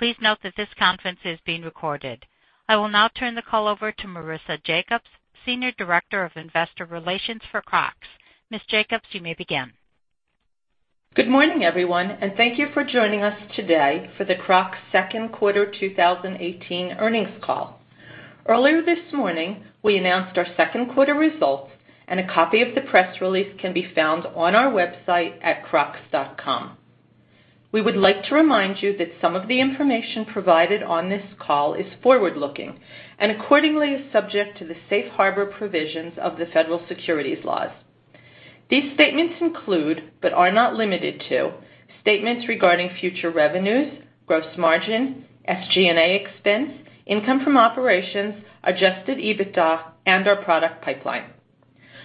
Please note that this conference is being recorded. I will now turn the call over to Marisa Jacobs, Senior Director of Investor Relations for Crocs. Ms. Jacobs, you may begin. Good morning, everyone, and thank you for joining us today for the Crocs second quarter 2018 earnings call. Earlier this morning, we announced our second quarter results. A copy of the press release can be found on our website at crocs.com. We would like to remind you that some of the information provided on this call is forward-looking and accordingly is subject to the safe harbor provisions of the Federal Securities Laws. These statements include, but are not limited to, statements regarding future revenues, gross margin, SG&A expense, income from operations, adjusted EBITDA, and our product pipeline.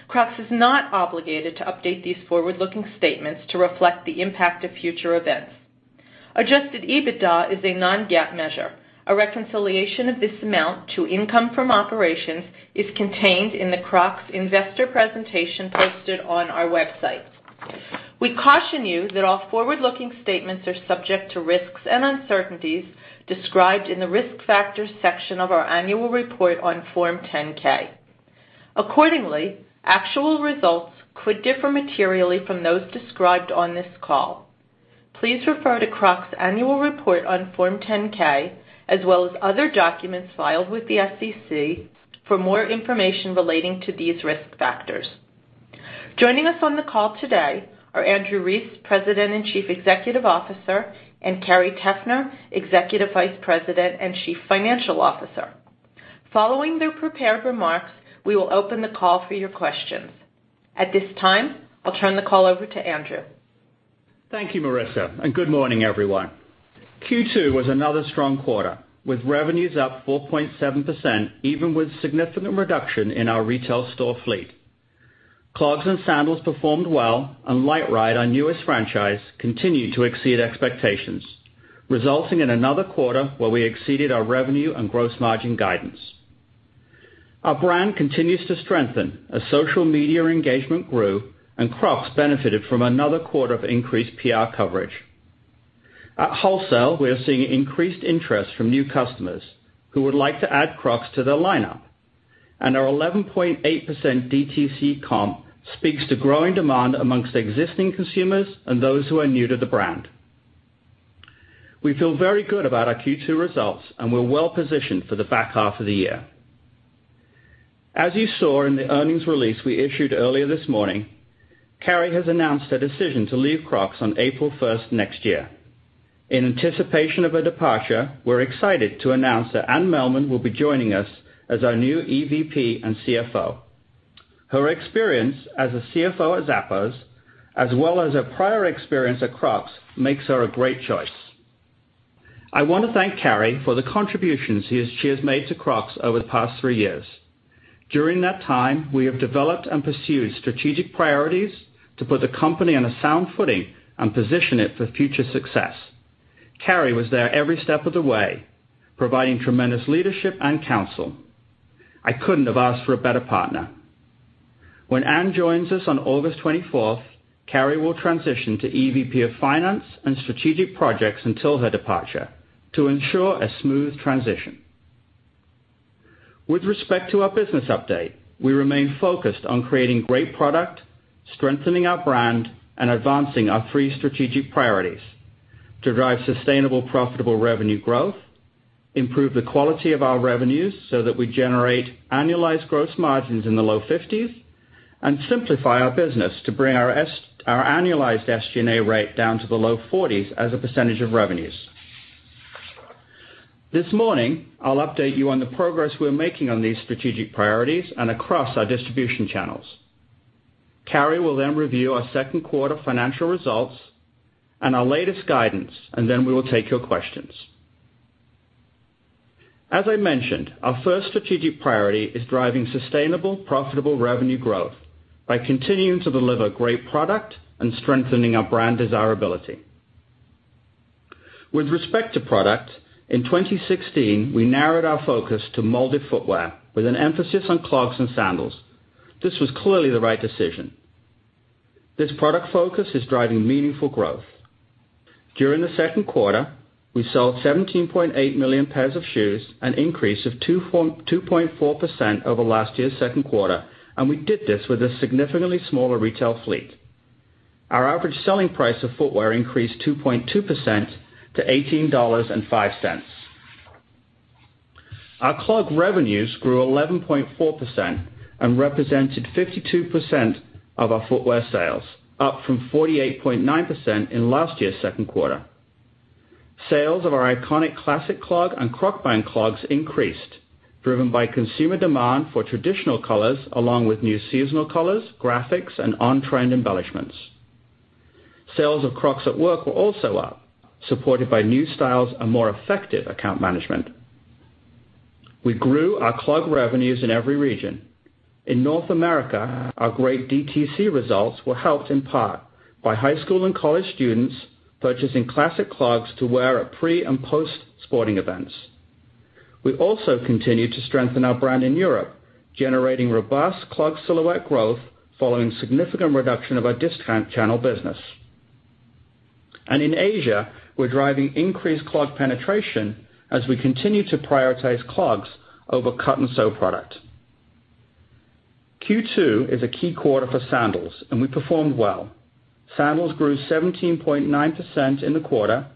Crocs is not obligated to update these forward-looking statements to reflect the impact of future events. Adjusted EBITDA is a non-GAAP measure. A reconciliation of this amount to income from operations is contained in the Crocs investor presentation posted on our website. We caution you that all forward-looking statements are subject to risks and uncertainties described in the Risk Factors section of our annual report on Form 10-K. Accordingly, actual results could differ materially from those described on this call. Please refer to Crocs' annual report on Form 10-K, as well as other documents filed with the SEC for more information relating to these risk factors. Joining us on the call today are Andrew Rees, President and Chief Executive Officer, and Carrie Teffner, Executive Vice President and Chief Financial Officer. Following their prepared remarks, we will open the call for your questions. At this time, I'll turn the call over to Andrew. Thank you, Marisa, and good morning, everyone. Q2 was another strong quarter, with revenues up 4.7%, even with significant reduction in our retail store fleet. Clogs and sandals performed well. LiteRide, our newest franchise, continued to exceed expectations, resulting in another quarter where we exceeded our revenue and gross margin guidance. Our brand continues to strengthen as social media engagement grew. Crocs benefited from another quarter of increased PR coverage. At wholesale, we are seeing increased interest from new customers who would like to add Crocs to their lineup. Our 11.8% DTC comp speaks to growing demand amongst existing consumers and those who are new to the brand. We feel very good about our Q2 results. We're well-positioned for the back half of the year. As you saw in the earnings release we issued earlier this morning, Carrie has announced her decision to leave Crocs on April 1st next year. In anticipation of her departure, we're excited to announce that Anne Mehlman will be joining us as our new EVP and CFO. Her experience as a CFO at Zappos, as well as her prior experience at Crocs, makes her a great choice. I want to thank Carrie for the contributions she has made to Crocs over the past three years. During that time, we have developed and pursued strategic priorities to put the company on a sound footing and position it for future success. Carrie was there every step of the way, providing tremendous leadership and counsel. I couldn't have asked for a better partner. When Anne joins us on August 24th, Carrie will transition to EVP of Finance and Strategic Projects until her departure to ensure a smooth transition. With respect to our business update, we remain focused on creating great product, strengthening our brand, and advancing our three strategic priorities: to drive sustainable, profitable revenue growth, improve the quality of our revenues so that we generate annualized gross margins in the low 50s, and simplify our business to bring our annualized SG&A rate down to the low 40s as a percentage of revenues. This morning, I'll update you on the progress we're making on these strategic priorities and across our distribution channels. Carrie will then review our second quarter financial results and our latest guidance, and then we will take your questions. As I mentioned, our first strategic priority is driving sustainable, profitable revenue growth by continuing to deliver great product and strengthening our brand desirability. With respect to product, in 2016, we narrowed our focus to molded footwear with an emphasis on clogs and sandals. This was clearly the right decision. This product focus is driving meaningful growth. During the second quarter, we sold 17.8 million pairs of shoes, an increase of 2.4% over last year's second quarter, and we did this with a significantly smaller retail fleet. Our average selling price of footwear increased 2.2% to $18.05. Our clog revenues grew 11.4% and represented 52% of our footwear sales, up from 48.9% in last year's second quarter. Sales of our iconic Classic Clog and Crocband clogs increased, driven by consumer demand for traditional colors, along with new seasonal colors, graphics, and on-trend embellishments. Sales of Crocs at Work were also up, supported by new styles and more effective account management. We grew our clog revenues in every region. In North America, our great DTC results were helped in part by high school and college students purchasing Classic Clogs to wear at pre and post sporting events. We also continued to strengthen our brand in Europe, generating robust clog silhouette growth following significant reduction of our discount channel business. In Asia, we're driving increased clog penetration as we continue to prioritize clogs over cut-and-sew product. Q2 is a key quarter for sandals, and we performed well. Sandals grew 17.9% in the quarter,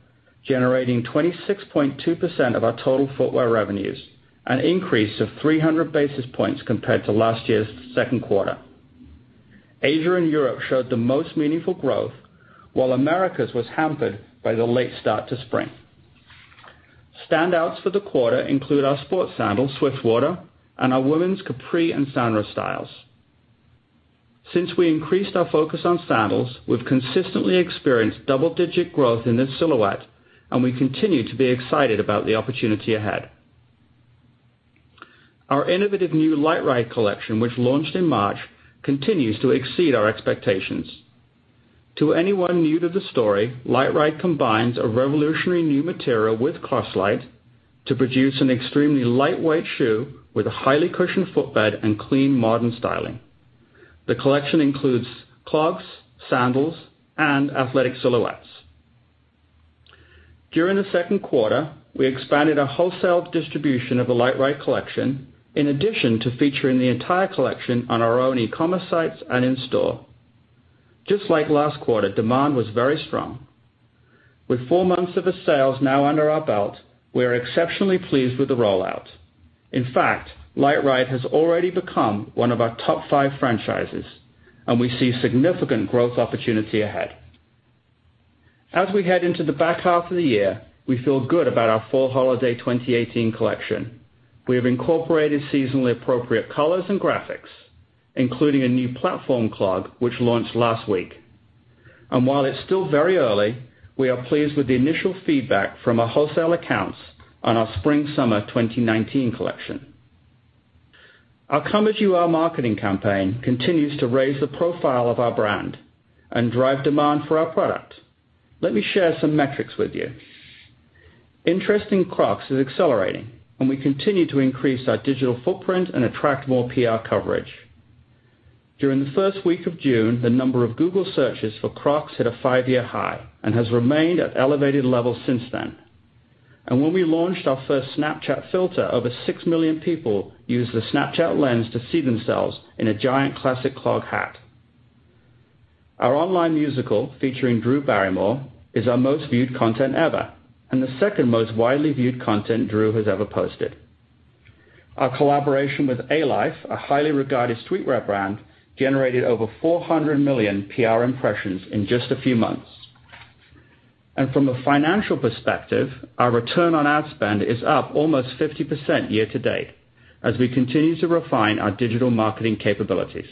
generating 26.2% of our total footwear revenues, an increase of 300 basis points compared to last year's second quarter. Asia and Europe showed the most meaningful growth, while Americas was hampered by the late start to spring. Standouts for the quarter include our sports sandal, Swiftwater, and our women's Capri and Sanrah styles. Since we increased our focus on sandals, we've consistently experienced double-digit growth in this silhouette, and we continue to be excited about the opportunity ahead. Our innovative new LiteRide collection, which launched in March, continues to exceed our expectations. To anyone new to the story, LiteRide combines a revolutionary new material with Croslite to produce an extremely lightweight shoe with a highly cushioned footbed and clean, modern styling. The collection includes clogs, sandals, and athletic silhouettes. During the second quarter, we expanded our wholesale distribution of the LiteRide collection, in addition to featuring the entire collection on our own e-commerce sites and in store. Just like last quarter, demand was very strong. With four months of sales now under our belt, we are exceptionally pleased with the rollout. In fact, LiteRide has already become one of our top five franchises, and we see significant growth opportunity ahead. As we head into the back half of the year, we feel good about our fall/holiday 2018 collection. We have incorporated seasonally appropriate colors and graphics, including a new platform clog, which launched last week. While it's still very early, we are pleased with the initial feedback from our wholesale accounts on our spring/summer 2019 collection. Our Come As You Are marketing campaign continues to raise the profile of our brand and drive demand for our product. Let me share some metrics with you. Interest in Crocs is accelerating, and we continue to increase our digital footprint and attract more PR coverage. During the first week of June, the number of Google searches for Crocs hit a five-year high and has remained at elevated levels since then. When we launched our first Snapchat filter, over six million people used the Snapchat lens to see themselves in a giant Classic Clog hat. Our online musical featuring Drew Barrymore is our most-viewed content ever, and the second most widely viewed content Drew has ever posted. Our collaboration with Alife, a highly regarded streetwear brand, generated over 400 million PR impressions in just a few months. From a financial perspective, our return on ad spend is up almost 50% year-to-date as we continue to refine our digital marketing capabilities.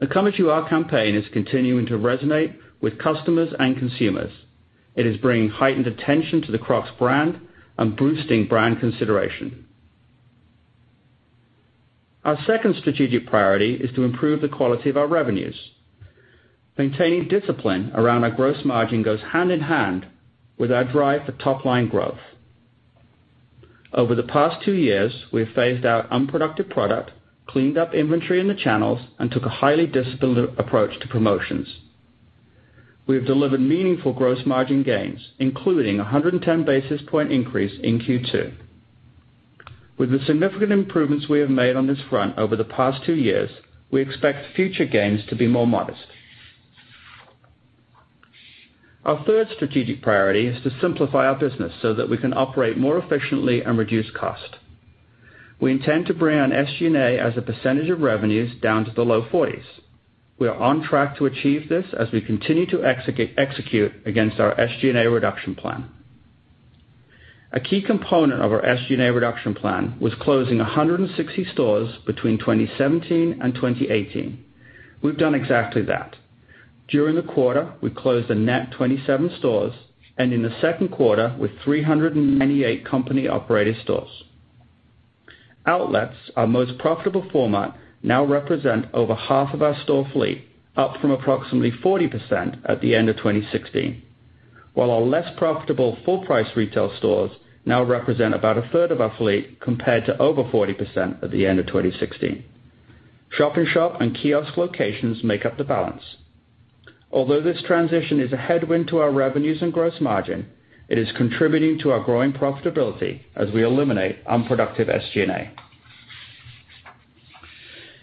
The Come As You Are campaign is continuing to resonate with customers and consumers. It is bringing heightened attention to the Crocs brand and boosting brand consideration. Our second strategic priority is to improve the quality of our revenues. Maintaining discipline around our gross margin goes hand-in-hand with our drive for top-line growth. Over the past two years, we have phased out unproductive product, cleaned up inventory in the channels, and took a highly disciplined approach to promotions. We have delivered meaningful gross margin gains, including a 110-basis-point increase in Q2. With the significant improvements we have made on this front over the past two years, we expect future gains to be more modest. Our third strategic priority is to simplify our business so that we can operate more efficiently and reduce cost. We intend to bring our SG&A as a percentage of revenues down to the low 40s. We are on track to achieve this as we continue to execute against our SG&A reduction plan. A key component of our SG&A reduction plan was closing 160 stores between 2017 and 2018. We've done exactly that. During the quarter, we closed a net 27 stores, and in the second quarter, with 398 company-operated stores. Outlets, our most profitable format, now represent over half of our store fleet, up from approximately 40% at the end of 2016. While our less profitable full-price retail stores now represent about a third of our fleet, compared to over 40% at the end of 2016. Shop-in-shop and kiosk locations make up the balance. Although this transition is a headwind to our revenues and gross margin, it is contributing to our growing profitability as we eliminate unproductive SG&A.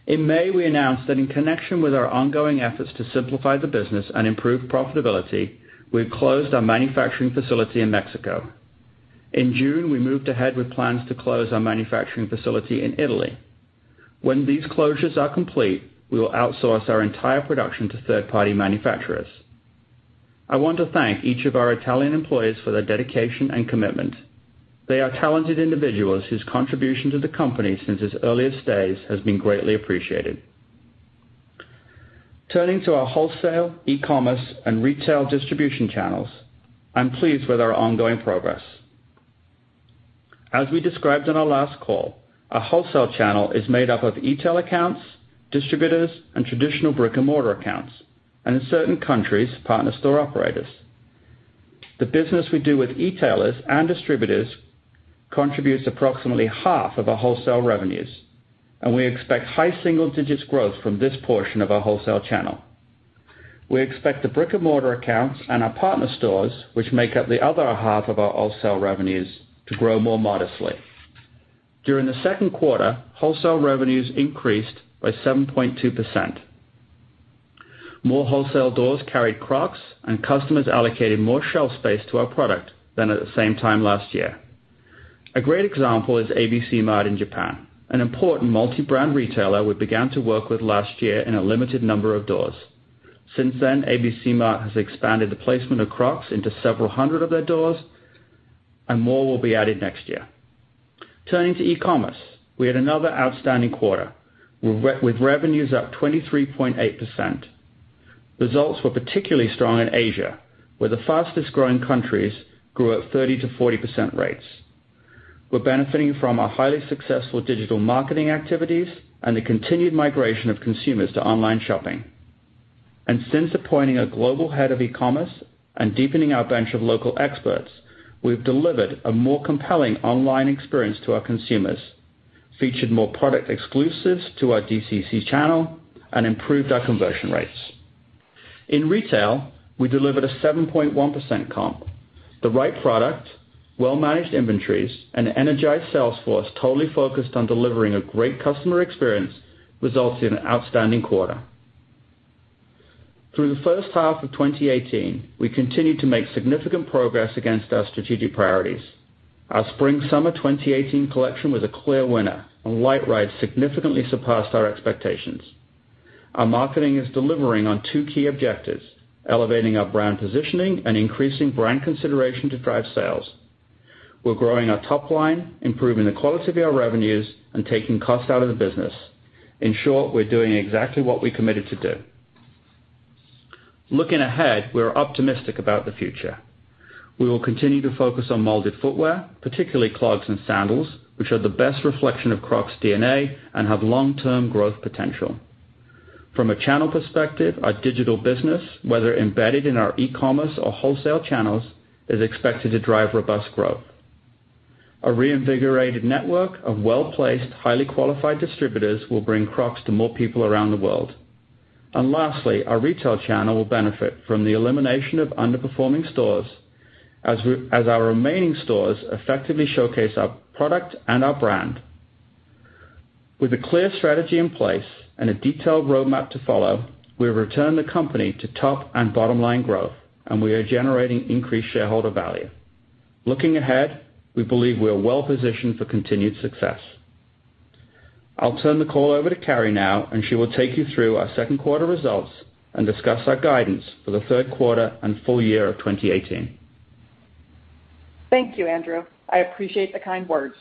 In May, we announced that in connection with our ongoing efforts to simplify the business and improve profitability, we have closed our manufacturing facility in Mexico. In June, we moved ahead with plans to close our manufacturing facility in Italy. When these closures are complete, we will outsource our entire production to third-party manufacturers. I want to thank each of our Italian employees for their dedication and commitment. They are talented individuals whose contribution to the company since its earliest days has been greatly appreciated. Turning to our wholesale, e-commerce, and retail distribution channels, I'm pleased with our ongoing progress. As we described on our last call, our wholesale channel is made up of e-tail accounts, distributors, and traditional brick-and-mortar accounts. In certain countries, partner store operators. The business we do with e-tailers and distributors contributes approximately half of our wholesale revenues, and we expect high single-digit growth from this portion of our wholesale channel. We expect the brick-and-mortar accounts and our partner stores, which make up the other half of our wholesale revenues, to grow more modestly. During the second quarter, wholesale revenues increased by 7.2%. More wholesale doors carried Crocs, and customers allocated more shelf space to our product than at the same time last year. A great example is ABC-Mart in Japan, an important multi-brand retailer we began to work with last year in a limited number of doors. Since then, ABC-Mart has expanded the placement of Crocs into several hundred of their doors, and more will be added next year. Turning to e-commerce, we had another outstanding quarter with revenues up 23.8%. Results were particularly strong in Asia, where the fastest-growing countries grew at 30% to 40% rates. We're benefiting from our highly successful digital marketing activities and the continued migration of consumers to online shopping. Since appointing a global head of e-commerce and deepening our bench of local experts, we've delivered a more compelling online experience to our consumers, featured more product exclusives to our DTC channel, and improved our conversion rates. In retail, we delivered a 7.1% comp. The right product, well-managed inventories, and an energized sales force totally focused on delivering a great customer experience resulted in an outstanding quarter. Through the first half of 2018, we continued to make significant progress against our strategic priorities. Our Spring-Summer 2018 collection was a clear winner, and LiteRide significantly surpassed our expectations. Our marketing is delivering on two key objectives: elevating our brand positioning and increasing brand consideration to drive sales. We're growing our top line, improving the quality of our revenues, and taking cost out of the business. In short, we're doing exactly what we committed to do. Looking ahead, we are optimistic about the future. We will continue to focus on molded footwear, particularly clogs and sandals, which are the best reflection of Crocs' DNA and have long-term growth potential. From a channel perspective, our digital business, whether embedded in our e-commerce or wholesale channels, is expected to drive robust growth. A reinvigorated network of well-placed, highly qualified distributors will bring Crocs to more people around the world. Lastly, our retail channel will benefit from the elimination of underperforming stores as our remaining stores effectively showcase our product and our brand. With a clear strategy in place and a detailed roadmap to follow, we have returned the company to top and bottom-line growth, and we are generating increased shareholder value. Looking ahead, we believe we are well-positioned for continued success. I'll turn the call over to Carrie now, and she will take you through our second quarter results and discuss our guidance for the third quarter and full year of 2018. Thank you, Andrew. I appreciate the kind words.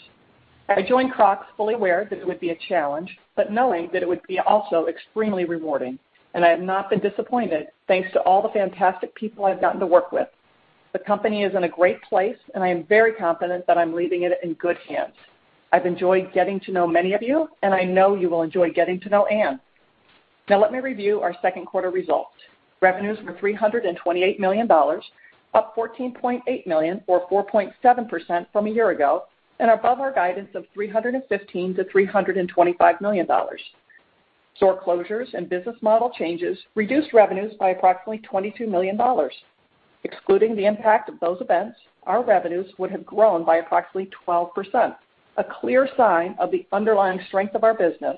I joined Crocs fully aware that it would be a challenge, but knowing that it would be also extremely rewarding. I have not been disappointed, thanks to all the fantastic people I've gotten to work with. The company is in a great place, and I am very confident that I'm leaving it in good hands. I've enjoyed getting to know many of you, and I know you will enjoy getting to know Anne. Let me review our second quarter results. Revenues were $328 million, up $14.8 million or 4.7% from a year ago, and above our guidance of $315 million-$325 million. Store closures and business model changes reduced revenues by approximately $22 million. Excluding the impact of those events, our revenues would have grown by approximately 12%, a clear sign of the underlying strength of our business.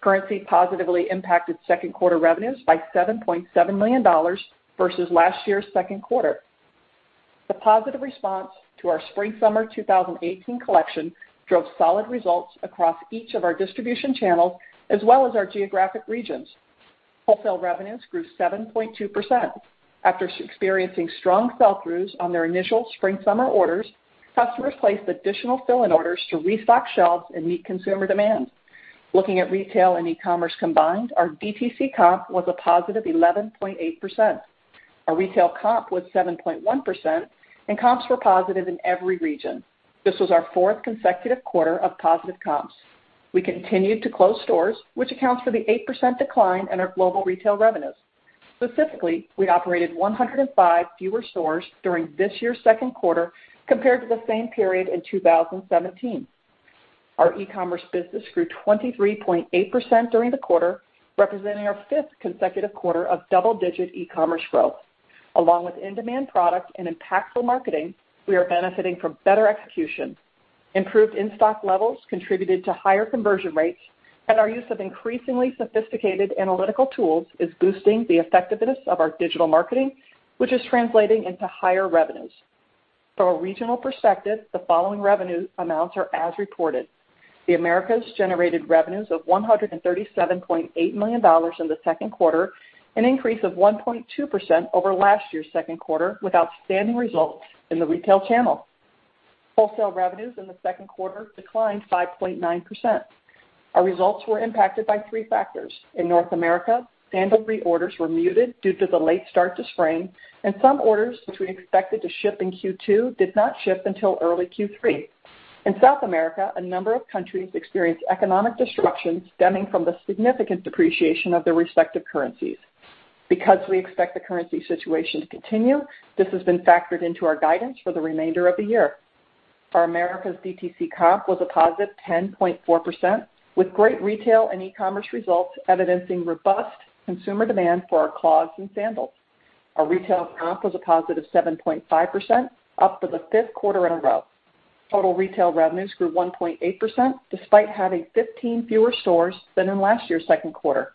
Currency positively impacted second quarter revenues by $7.7 million versus last year's second quarter. The positive response to our Spring-Summer 2018 collection drove solid results across each of our distribution channels as well as our geographic regions. Wholesale revenues grew 7.2%. After experiencing strong sell-throughs on their initial Spring-Summer orders, customers placed additional fill-in orders to restock shelves and meet consumer demand. Looking at retail and e-commerce combined, our DTC comp was a positive 11.8%. Our retail comp was 7.1%, comps were positive in every region. This was our fourth consecutive quarter of positive comps. We continued to close stores, which accounts for the 8% decline in our global retail revenues. Specifically, we operated 105 fewer stores during this year's second quarter compared to the same period in 2017. Our e-commerce business grew 23.8% during the quarter, representing our fifth consecutive quarter of double-digit e-commerce growth. Along with in-demand product and impactful marketing, we are benefiting from better execution. Improved in-stock levels contributed to higher conversion rates, and our use of increasingly sophisticated analytical tools is boosting the effectiveness of our digital marketing, which is translating into higher revenues. From a regional perspective, the following revenue amounts are as reported. The Americas generated revenues of $137.8 million in the second quarter, an increase of 1.2% over last year's second quarter, with outstanding results in the retail channel. Wholesale revenues in the second quarter declined 5.9%. Our results were impacted by three factors. In North America, sandal reorders were muted due to the late start to spring, and some orders, which we expected to ship in Q2, did not ship until early Q3. In South America, a number of countries experienced economic disruption stemming from the significant depreciation of their respective currencies. We expect the currency situation to continue, this has been factored into our guidance for the remainder of the year. Our Americas DTC comp was a positive 10.4%, with great retail and e-commerce results evidencing robust consumer demand for our clogs and sandals. Our retail comp was a positive 7.5%, up for the fifth quarter in a row. Total retail revenues grew 1.8%, despite having 15 fewer stores than in last year's second quarter.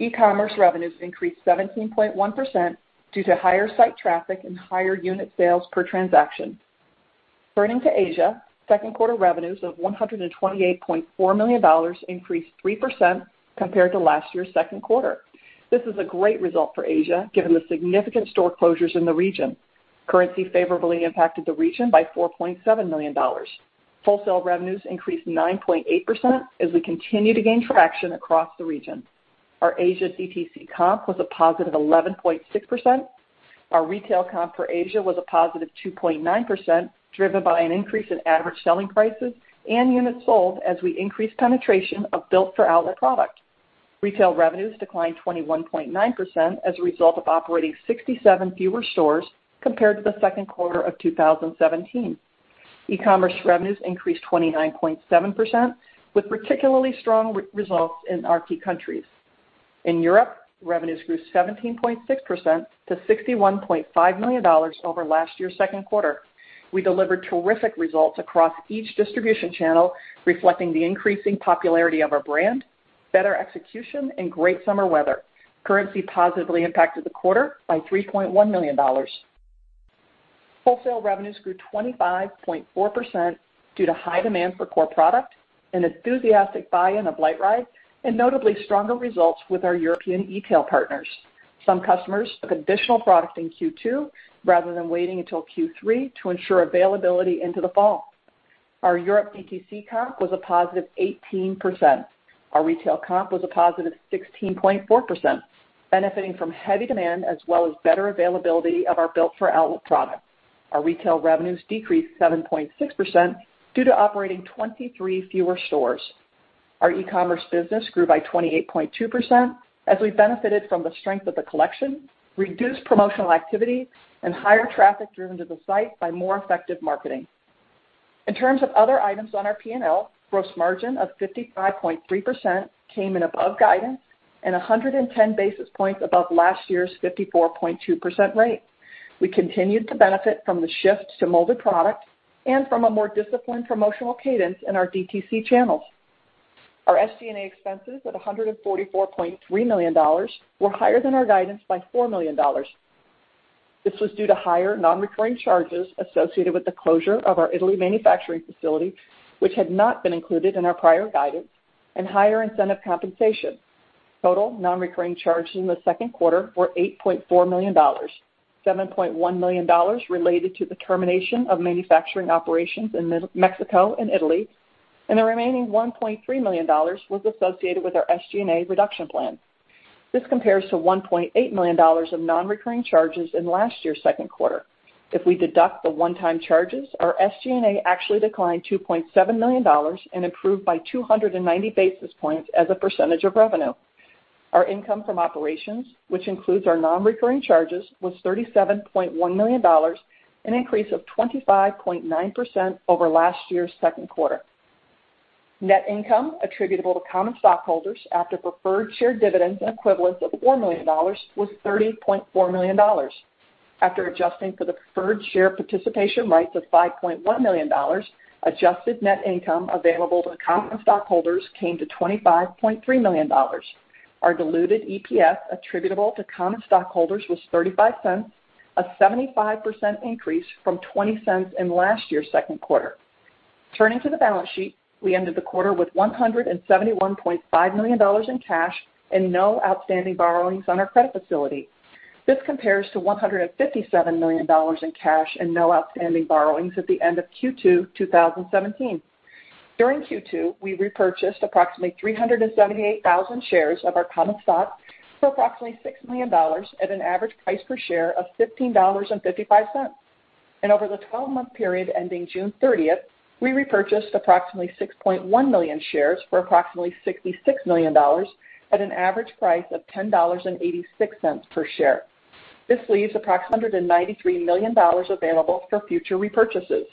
E-commerce revenues increased 17.1% due to higher site traffic and higher unit sales per transaction. Turning to Asia, second quarter revenues of $128.4 million increased 3% compared to last year's second quarter. This is a great result for Asia, given the significant store closures in the region. Currency favorably impacted the region by $4.7 million. Wholesale revenues increased 9.8% as we continue to gain traction across the region. Our Asia DTC comp was a positive 11.6%. Our retail comp for Asia was a positive 2.9%, driven by an increase in average selling prices and units sold as we increase penetration of built-for-outlet product. Retail revenues declined 21.9% as a result of operating 67 fewer stores compared to the second quarter of 2017. E-commerce revenues increased 29.7%, with particularly strong results in our key countries. In Europe, revenues grew 17.6% to $61.5 million over last year's second quarter. We delivered terrific results across each distribution channel, reflecting the increasing popularity of our brand, better execution, and great summer weather. Currency positively impacted the quarter by $3.1 million. Wholesale revenues grew 25.4% due to high demand for core product, an enthusiastic buy-in of LiteRide, and notably stronger results with our European e-tail partners. Some customers took additional product in Q2 rather than waiting until Q3 to ensure availability into the fall. Our Europe DTC comp was a positive 18%. Our retail comp was a positive 16.4%, benefiting from heavy demand as well as better availability of our built-for-outlet product. Our retail revenues decreased 7.6% due to operating 23 fewer stores. Our e-commerce business grew by 28.2% as we benefited from the strength of the collection, reduced promotional activity, and higher traffic driven to the site by more effective marketing. In terms of other items on our P&L, gross margin of 55.3% came in above guidance and 110 basis points above last year's 54.2% rate. We continued to benefit from the shift to molded product and from a more disciplined promotional cadence in our DTC channels. Our SG&A expenses at $144.3 million were higher than our guidance by $4 million. This was due to higher non-recurring charges associated with the closure of our Italy manufacturing facility, which had not been included in our prior guidance, and higher incentive compensation. Total non-recurring charges in the second quarter were $8.4 million. $7.1 million related to the termination of manufacturing operations in Mexico and Italy, and the remaining $1.3 million was associated with our SG&A reduction plan. This compares to $1.8 million of non-recurring charges in last year's second quarter. If we deduct the one-time charges, our SG&A actually declined $2.7 million and improved by 290 basis points as a percentage of revenue. Our income from operations, which includes our non-recurring charges, was $37.1 million, an increase of 25.9% over last year's second quarter. Net income attributable to common stockholders after preferred share dividends and equivalents of $4 million was $30.4 million. After adjusting for the preferred share participation rights of $5.1 million, adjusted net income available to common stockholders came to $25.3 million. Our diluted EPS attributable to common stockholders was $0.35, a 75% increase from $0.20 in last year's second quarter. Turning to the balance sheet, we ended the quarter with $171.5 million in cash and no outstanding borrowings on our credit facility. This compares to $157 million in cash and no outstanding borrowings at the end of Q2 2017. During Q2, we repurchased approximately 378,000 shares of our common stock for approximately $6 million at an average price per share of $15.55. Over the 12-month period ending June 30th, we repurchased approximately 6.1 million shares for approximately $66 million at an average price of $10.86 per share. This leaves approximately $193 million available for future repurchases.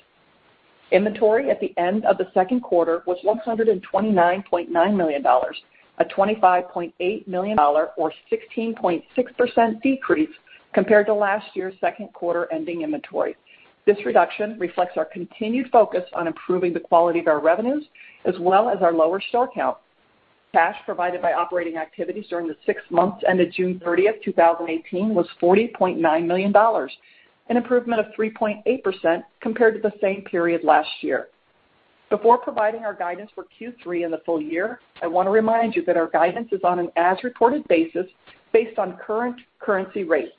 Inventory at the end of the second quarter was $129.9 million, a $25.8 million or 16.6% decrease compared to last year's second quarter ending inventory. This reduction reflects our continued focus on improving the quality of our revenues as well as our lower store count. Cash provided by operating activities during the six months ended June 30th, 2018 was $40.9 million, an improvement of 3.8% compared to the same period last year. Before providing our guidance for Q3 and the full year, I want to remind you that our guidance is on an as-reported basis based on current currency rates.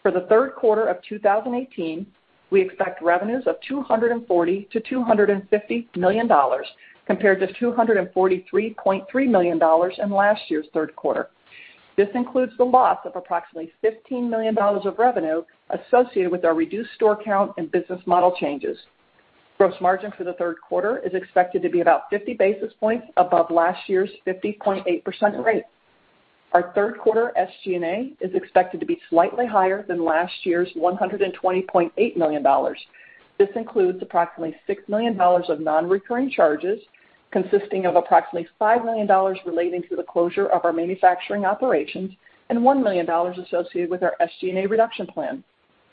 For the third quarter of 2018, we expect revenues of $240 million to $250 million, compared to $243.3 million in last year's third quarter. This includes the loss of approximately $15 million of revenue associated with our reduced store count and business model changes. Gross margin for the third quarter is expected to be about 50 basis points above last year's 50.8% rate. Our third quarter SG&A is expected to be slightly higher than last year's $120.8 million. This includes approximately $6 million of non-recurring charges, consisting of approximately $5 million relating to the closure of our manufacturing operations and $1 million associated with our SG&A reduction plan.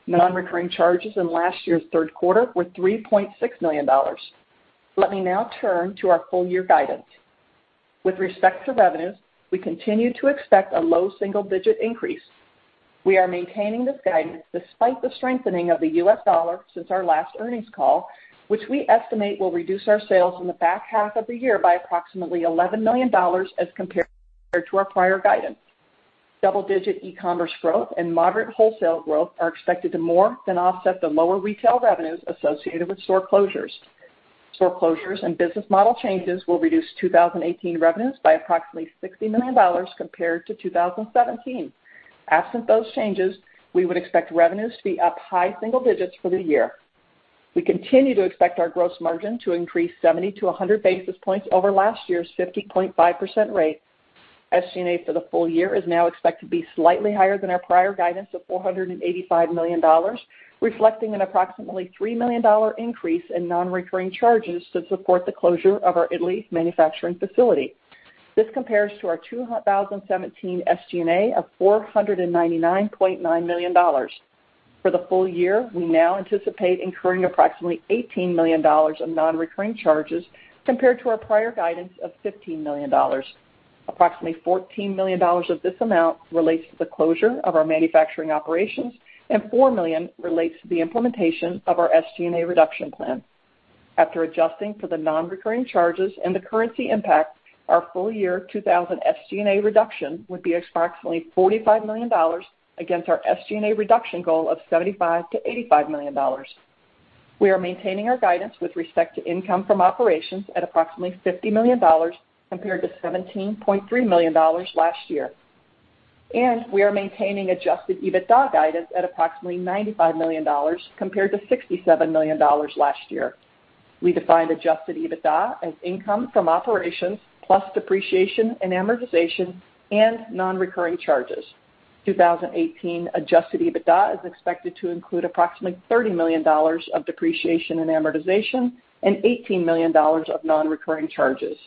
Non-recurring charges in last year's third quarter were $3.6 million. Let me now turn to our full year guidance. With respect to revenues, we continue to expect a low single-digit increase. We are maintaining this guidance despite the strengthening of the U.S. dollar since our last earnings call, which we estimate will reduce our sales in the back half of the year by approximately $11 million as compared to our prior guidance. Double-digit e-commerce growth and moderate wholesale growth are expected to more than offset the lower retail revenues associated with store closures. Store closures and business model changes will reduce 2018 revenues by approximately $60 million compared to 2017. Absent those changes, we would expect revenues to be up high single digits for the year. We continue to expect our gross margin to increase 70 to 100 basis points over last year's 50.5% rate. SG&A for the full year is now expected to be slightly higher than our prior guidance of $485 million, reflecting an approximately $3 million increase in non-recurring charges to support the closure of our Italy manufacturing facility. This compares to our 2017 SG&A of $499.9 million. For the full year, we now anticipate incurring approximately $18 million of non-recurring charges, compared to our prior guidance of $15 million. Approximately $14 million of this amount relates to the closure of our manufacturing operations, and $4 million relates to the implementation of our SG&A reduction plan. After adjusting for the non-recurring charges and the currency impact, our full-year 2018 SG&A reduction would be approximately $45 million against our SG&A reduction goal of $75 million-$85 million. We are maintaining our guidance with respect to income from operations at approximately $50 million compared to $17.3 million last year. We are maintaining adjusted EBITDA guidance at approximately $95 million, compared to $67 million last year. We defined adjusted EBITDA as income from operations plus depreciation and amortization and non-recurring charges. 2018 adjusted EBITDA is expected to include approximately $30 million of depreciation and amortization and $18 million of non-recurring charges.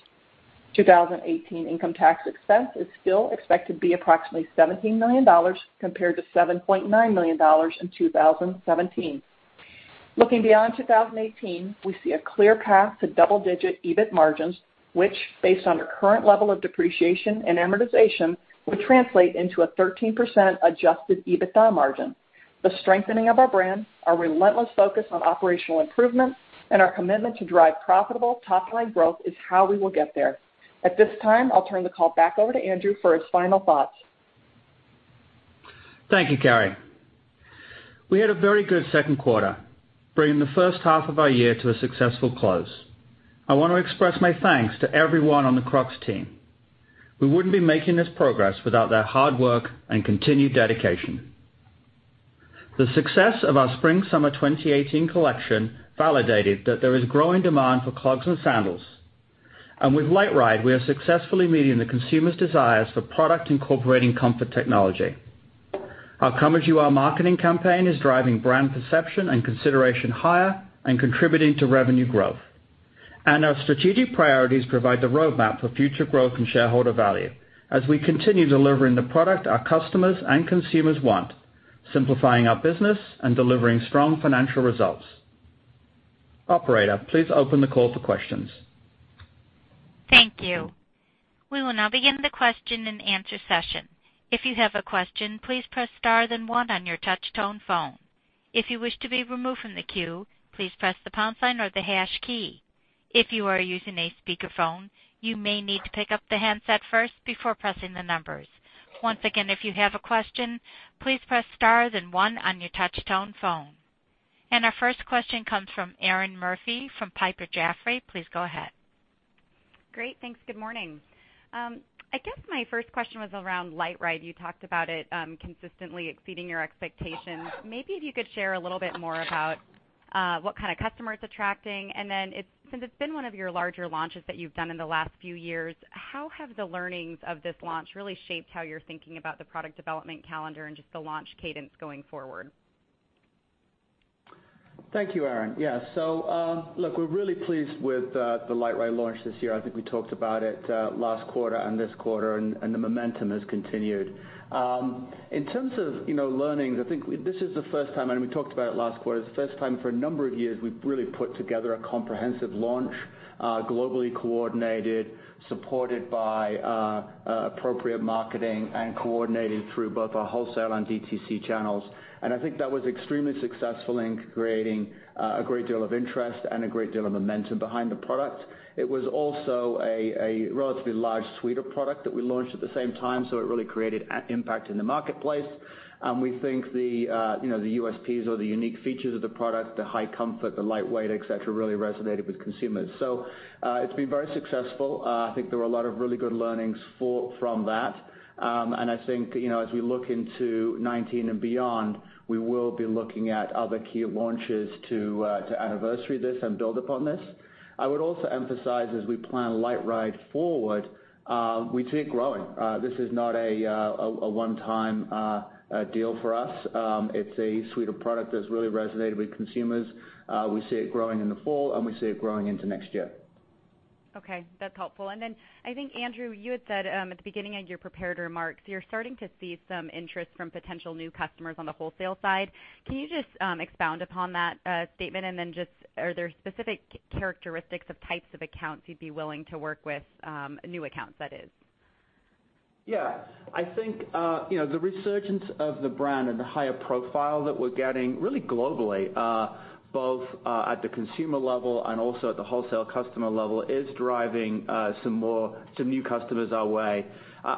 2018 income tax expense is still expected to be approximately $17 million, compared to $7.9 million in 2017. Looking beyond 2018, we see a clear path to double-digit EBIT margins, which, based on the current level of depreciation and amortization, would translate into a 13% adjusted EBITDA margin. The strengthening of our brand, our relentless focus on operational improvement, and our commitment to drive profitable top-line growth is how we will get there. At this time, I'll turn the call back over to Andrew for his final thoughts. Thank you, Carrie. We had a very good second quarter, bringing the first half of our year to a successful close. I want to express my thanks to everyone on the Crocs team. We wouldn't be making this progress without their hard work and continued dedication. The success of our spring/summer 2018 collection validated that there is growing demand for clogs and sandals. With LiteRide, we are successfully meeting the consumers' desires for product-incorporating comfort technology. Our Come As You Are marketing campaign is driving brand perception and consideration higher and contributing to revenue growth. Our strategic priorities provide the roadmap for future growth and shareholder value as we continue delivering the product our customers and consumers want, simplifying our business and delivering strong financial results. Operator, please open the call for questions. Thank you. We will now begin the question and answer session. If you have a question, please press star then one on your touch tone phone. If you wish to be removed from the queue, please press the pound sign or the hash key. If you are using a speakerphone, you may need to pick up the handset first before pressing the numbers. Once again, if you have a question, please press star then one on your touch tone phone. Our first question comes from Erinn Murphy from Piper Jaffray. Please go ahead. Great. Thanks. Good morning. I guess my first question was around LiteRide. You talked about it consistently exceeding your expectations. Maybe if you could share a little bit more about what kind of customer it's attracting, and then since it's been one of your larger launches that you've done in the last few years, how have the learnings of this launch really shaped how you're thinking about the product development calendar and just the launch cadence going forward? Thank you, Erinn. Yeah. Look, we're really pleased with the LiteRide launch this year. I think we talked about it last quarter and this quarter, the momentum has continued. In terms of learnings, I think this is the first time, we talked about it last quarter, it's the first time for a number of years we've really put together a comprehensive launch, globally coordinated, supported by appropriate marketing, coordinated through both our wholesale and DTC channels. I think that was extremely successful in creating a great deal of interest and a great deal of momentum behind the product. It was also a relatively large suite of product that we launched at the same time, so it really created impact in the marketplace. We think the USPs or the unique features of the product, the high comfort, the lightweight, et cetera, really resonated with consumers. It's been very successful. I think there were a lot of really good learnings from that. I think, as we look into 2019 and beyond, we will be looking at other key launch franchises to anniversary this and build upon this. I would also emphasize as we plan LiteRide forward, we see it growing. This is not a one-time deal for us. It's a suite of product that's really resonated with consumers. We see it growing in the fall, we see it growing into next year. Okay. That's helpful. I think, Andrew, you had said at the beginning of your prepared remarks, you're starting to see some interest from potential new customers on the wholesale side. Can you just expound upon that statement and then just are there specific characteristics of types of accounts you'd be willing to work with, new accounts, that is? Yeah. I think, the resurgence of the brand and the higher profile that we're getting, really globally, both, at the consumer level and also at the wholesale customer level, is driving some new customers our way.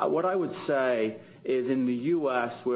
What I would say is in the U.S., I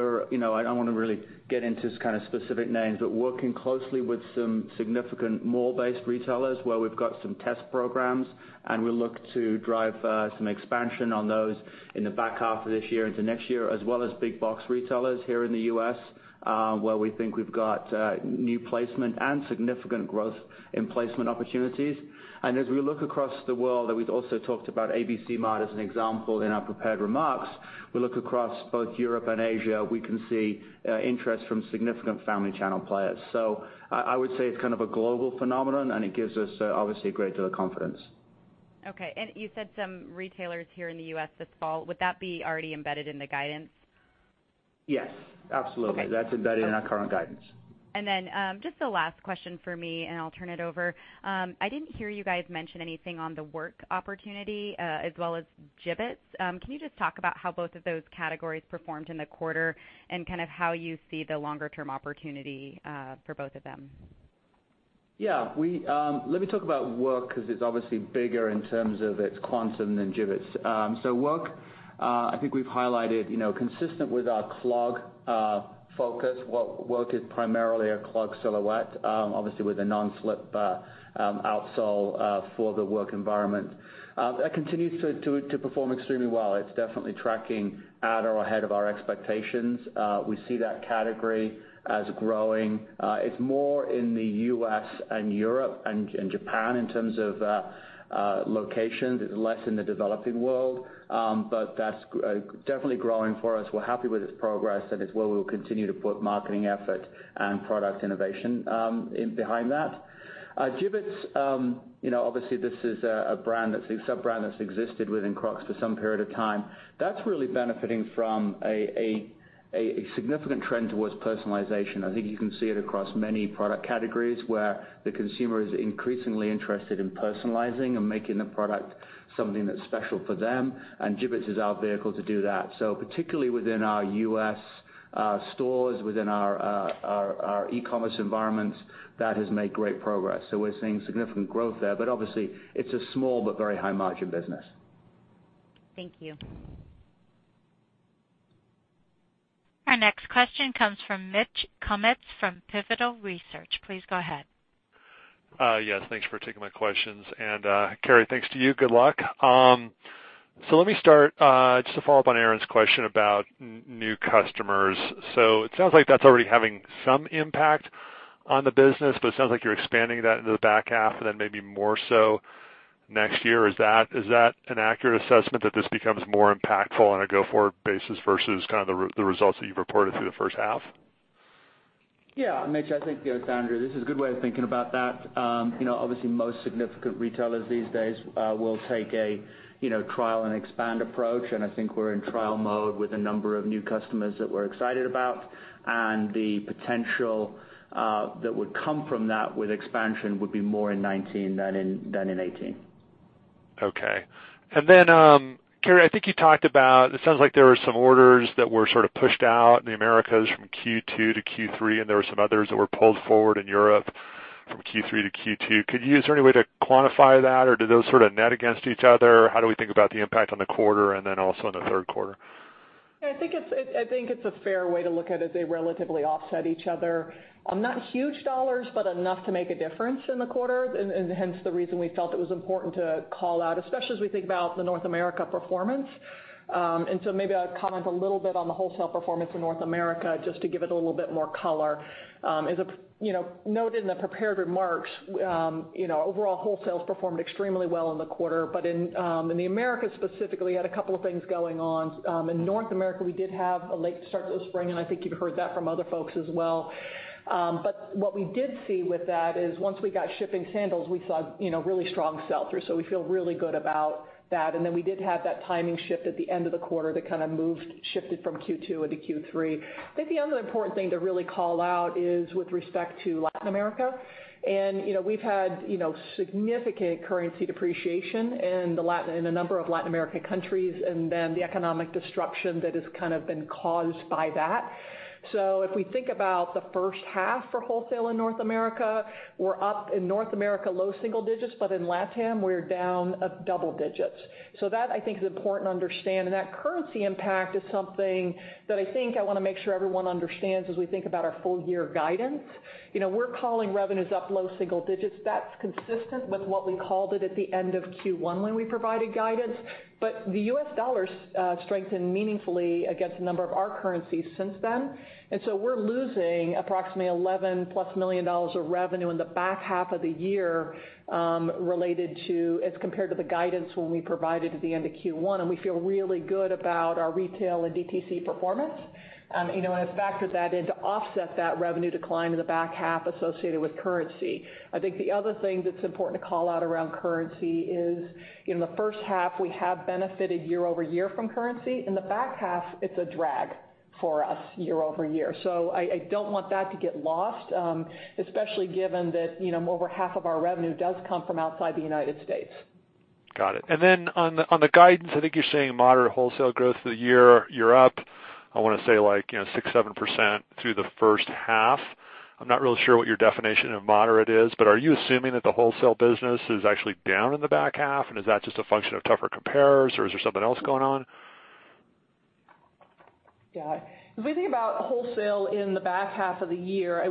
don't want to really get into kind of specific names, but working closely with some significant mall-based retailers where we've got some test programs, and we look to drive some expansion on those in the back half of this year into next year, as well as big box retailers here in the U.S., where we think we've got new placement and significant growth in placement opportunities. As we look across the world, and we've also talked about ABC-Mart as an example in our prepared remarks. We look across both Europe and Asia, we can see interest from significant family channel players. I would say it's kind of a global phenomenon, and it gives us, obviously, a great deal of confidence. Okay. You said some retailers here in the U.S. this fall. Would that be already embedded in the guidance? Yes. Absolutely. Okay. That's embedded in our current guidance. Just the last question for me, and I'll turn it over. I didn't hear you guys mention anything on the work opportunity, as well as Jibbitz. Can you just talk about how both of those categories performed in the quarter and kind of how you see the longer-term opportunity for both of them? Yeah. Let me talk about work because it's obviously bigger in terms of its quantum than Jibbitz. Work, I think we've highlighted, consistent with our clog focus. Work is primarily a clog silhouette, obviously with a non-slip outsole for the work environment. That continues to perform extremely well. It's definitely tracking at or ahead of our expectations. We see that category as growing. It's more in the U.S. and Europe and Japan in terms of locations. It's less in the developing world. That's definitely growing for us. We're happy with its progress, and it's where we'll continue to put marketing effort and product innovation behind that. Jibbitz, obviously this is a sub-brand that's existed within Crocs for some period of time. That's really benefiting from a significant trend towards personalization. I think you can see it across many product categories where the consumer is increasingly interested in personalizing and making the product something that's special for them. Jibbitz is our vehicle to do that. Particularly within our U.S. stores, within our e-commerce environments, that has made great progress. We're seeing significant growth there, but obviously it's a small but very high-margin business. Thank you. Our next question comes from Mitch Kummetz from Pivotal Research. Please go ahead. Yes. Thanks for taking my questions. Carrie, thanks to you. Good luck. Let me start, just to follow up on Erinn's question about new customers. It sounds like that's already having some impact on the business, but it sounds like you're expanding that into the back half and then maybe more so next year. Is that an accurate assessment that this becomes more impactful on a go-forward basis versus kind of the results that you've reported through the first half? Yeah. Mitch, I think it's Andrew. This is a good way of thinking about that. Obviously, most significant retailers these days will take a trial and expand approach. I think we're in trial mode with a number of new customers that we're excited about. The potential that would come from that with expansion would be more in 2019 than in 2018. Okay. Then, Carrie, I think you talked about, it sounds like there were some orders that were sort of pushed out in the Americas from Q2 to Q3. There were some others that were pulled forward in Europe from Q3 to Q2. Is there any way to quantify that, or do those sort of net against each other? How do we think about the impact on the quarter and then also in the third quarter? Yeah, I think it's a fair way to look at it. They relatively offset each other. Not huge dollars, but enough to make a difference in the quarter. Hence the reason we felt it was important to call out, especially as we think about the North America performance. Maybe I'll comment a little bit on the wholesale performance in North America just to give it a little bit more color. As noted in the prepared remarks, overall wholesale has performed extremely well in the quarter. In the Americas specifically, had a couple of things going on. In North America, we did have a late start to the spring. I think you've heard that from other folks as well. What we did see with that is once we got shipping sandals, we saw really strong sell-through. We feel really good about that. Then we did have that timing shift at the end of the quarter that kind of shifted from Q2 into Q3. I think the other important thing to really call out is with respect to Latin America. We've had significant currency depreciation in a number of Latin American countries and then the economic disruption that has kind of been caused by that. If we think about the first half for wholesale in North America, we're up in North America, low single digits, but in LATAM we're down double digits. That I think is important to understand. That currency impact is something that I think I want to make sure everyone understands as we think about our full year guidance. We're calling revenues up low single digits. That's consistent with what we called it at the end of Q1 when we provided guidance. The U.S. dollar strengthened meaningfully against a number of our currencies since then, we're losing approximately $11+ million of revenue in the back half of the year, as compared to the guidance when we provided at the end of Q1. We feel really good about our retail and DTC performance. Have factored that in to offset that revenue decline in the back half associated with currency. The other thing that's important to call out around currency is, in the first half, we have benefited year-over-year from currency. In the back half, it's a drag for us year-over-year. I don't want that to get lost, especially given that over half of our revenue does come from outside the U.S. Got it. On the guidance, you're saying moderate wholesale growth for the year. You're up, I want to say 6%, 7% through the first half. I'm not really sure what your definition of moderate is, but are you assuming that the wholesale business is actually down in the back half, and is that just a function of tougher compares, or is there something else going on? Yeah. As we think about wholesale in the back half of the year,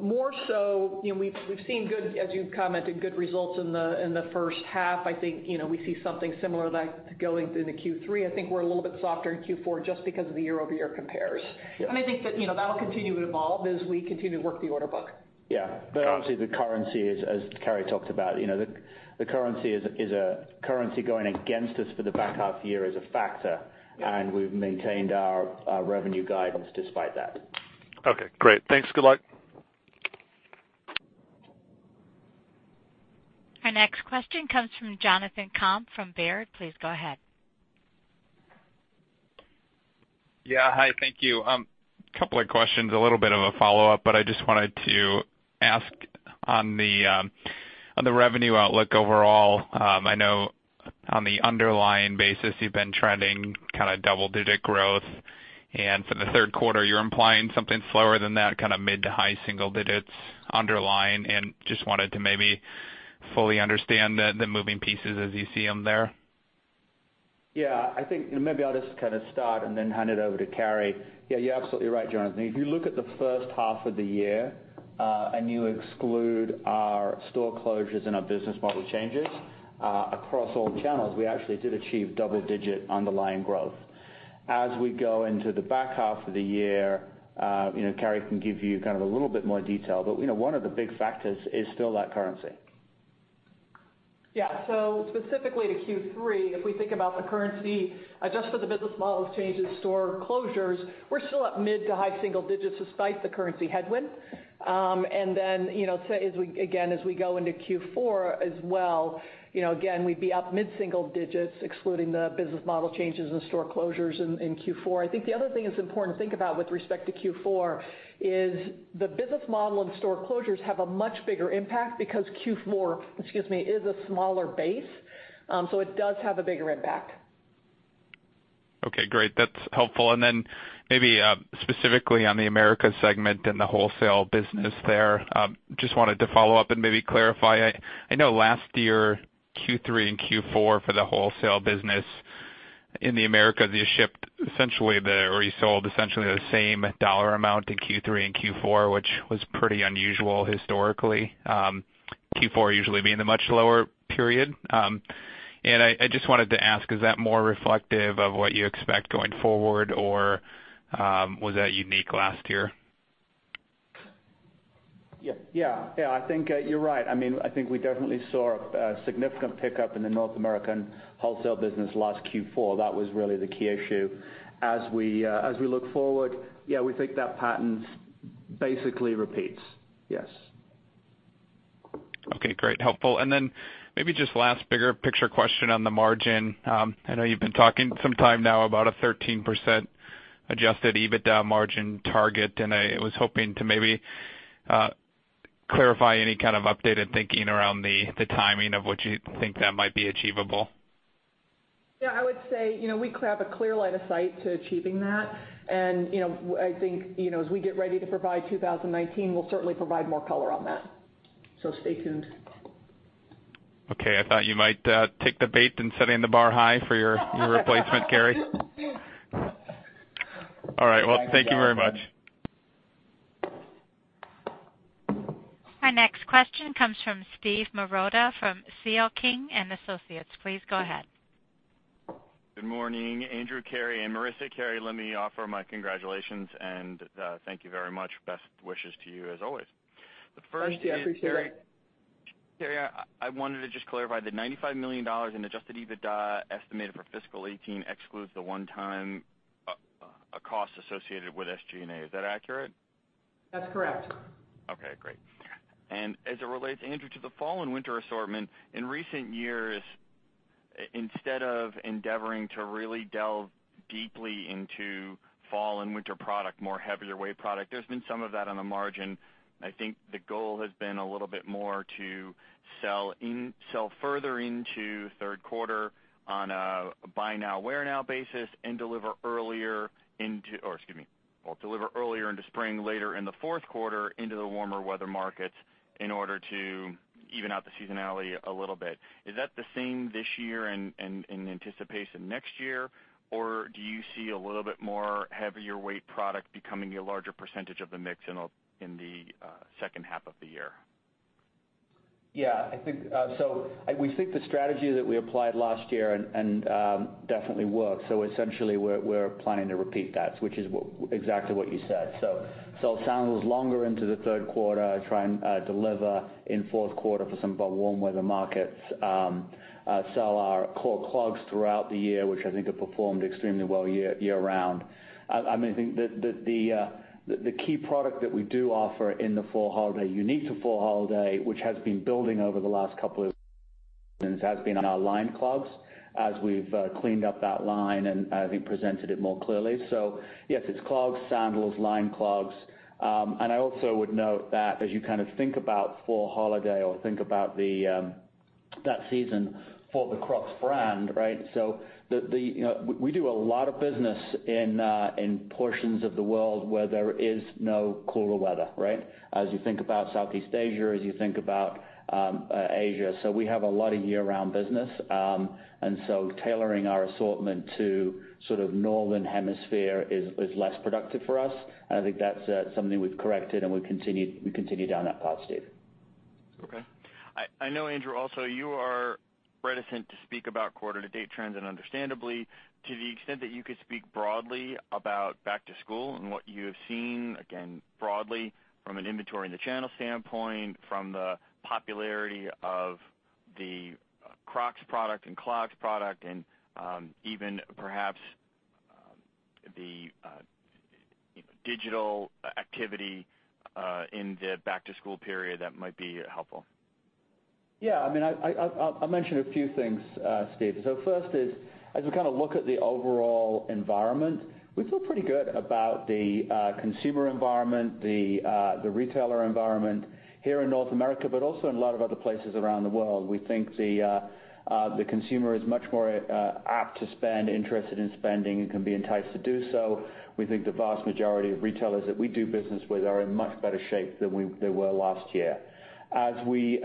more so, we've seen, as you commented, good results in the first half. We see something similar to that going through the Q3. We're a little bit softer in Q4 just because of the year-over-year compares. That'll continue to evolve as we continue to work the order book. Yeah. Got it. Obviously the currency is, as Carrie Teffner talked about, the currency going against us for the back half year is a factor, and we've maintained our revenue guidance despite that. Okay, great. Thanks. Good luck. Our next question comes from Jonathan Komp from Baird. Please go ahead. Yeah. Hi, thank you. Couple of questions. A little bit of a follow-up. I just wanted to ask on the revenue outlook overall. I know on the underlying basis, you've been trending double-digit growth, and for the third quarter you're implying something slower than that, mid-to-high single digits underlying, and just wanted to maybe fully understand the moving pieces as you see them there. I think maybe I'll just start and then hand it over to Carrie. You're absolutely right, Jonathan. If you look at the first half of the year, and you exclude our store closures and our business model changes, across all channels, we actually did achieve double-digit underlying growth. As we go into the back half of the year, Carrie can give you a little bit more detail, but one of the big factors is still that currency. Specifically to Q3, if we think about the currency adjusted the business models changes, store closures, we're still at mid-to-high single digits despite the currency headwind. Then, again, as we go into Q4 as well, again, we'd be up mid-single digits excluding the business model changes and store closures in Q4. I think the other thing that's important to think about with respect to Q4 is the business model and store closures have a much bigger impact because Q4, excuse me, is a smaller base. It does have a bigger impact. Okay, great. That's helpful. Then maybe specifically on the Americas segment and the wholesale business there. Just wanted to follow up and maybe clarify. I know last year, Q3 and Q4 for the wholesale business in the Americas, you sold essentially the same $ amount in Q3 and Q4, which was pretty unusual historically. Q4 usually being the much lower period. I just wanted to ask, is that more reflective of what you expect going forward, or was that unique last year? I think you're right. I think we definitely saw a significant pickup in the North American wholesale business last Q4. That was really the key issue. As we look forward, yeah, we think that pattern basically repeats. Yes. Okay, great. Helpful. Then maybe just last bigger picture question on the margin. I know you've been talking some time now about a 13% adjusted EBITDA margin target, and I was hoping to maybe clarify any kind of updated thinking around the timing of what you think that might be achievable. Yeah, I would say, we have a clear line of sight to achieving that. I think, as we get ready to provide 2019, we'll certainly provide more color on that. Stay tuned. Okay, I thought you might take the bait in setting the bar high for your replacement, Carrie. All right. Thank you very much. Thanks, Jonathan. Our next question comes from Steve Marotta from C.L. King & Associates. Please go ahead. Good morning, Andrew, Carrie, and Marisa. Carrie, let me offer my congratulations and thank you very much. Best wishes to you as always. Thank you. I appreciate it. The first is, Carrie, I wanted to just clarify the $95 million in adjusted EBITDA estimated for fiscal 2018 excludes the one-time cost associated with SG&A. Is that accurate? That's correct. Okay, great. As it relates, Andrew, to the fall and winter assortment, in recent years Instead of endeavoring to really delve deeply into fall and winter product, more heavier weight product. There's been some of that on the margin, and I think the goal has been a little bit more to sell further into third quarter on a buy now, wear now basis, and deliver earlier into-- or excuse me. Deliver earlier into spring, later in the fourth quarter into the warmer weather markets in order to even out the seasonality a little bit. Is that the same this year and in anticipation next year? Or do you see a little bit more heavier weight product becoming a larger percentage of the mix in the second half of the year? Yeah. We think the strategy that we applied last year and definitely worked. Essentially we're planning to repeat that, which is exactly what you said. Sell sandals longer into the third quarter, try and deliver in fourth quarter for some of our warm weather markets. Sell our core clogs throughout the year, which I think have performed extremely well year-round. I think that the key product that we do offer in the fall holiday, unique to fall holiday, which has been building over the last couple has been on our lined clogs, as we've cleaned up that line and I think presented it more clearly. Yes, it's clogs, sandals, lined clogs. I also would note that as you think about fall holiday or think about that season for the Crocs brand, right? We do a lot of business in portions of the world where there is no cooler weather, right? As you think about Southeast Asia, as you think about Asia. We have a lot of year-round business. Tailoring our assortment to Northern Hemisphere is less productive for us. I think that's something we've corrected and we continue down that path, Steve. Okay. I know, Andrew, also, you are reticent to speak about quarter to date trends. Understandably, to the extent that you could speak broadly about back to school and what you have seen, again, broadly from an inventory in the channel standpoint, from the popularity of the Crocs product and clogs product, even perhaps the digital activity in the back to school period, that might be helpful. Yeah, I'll mention a few things, Steve. First is, as we look at the overall environment, we feel pretty good about the consumer environment, the retailer environment here in North America, also in a lot of other places around the world. We think the consumer is much more apt to spend, interested in spending, and can be enticed to do so. We think the vast majority of retailers that we do business with are in much better shape than they were last year. As we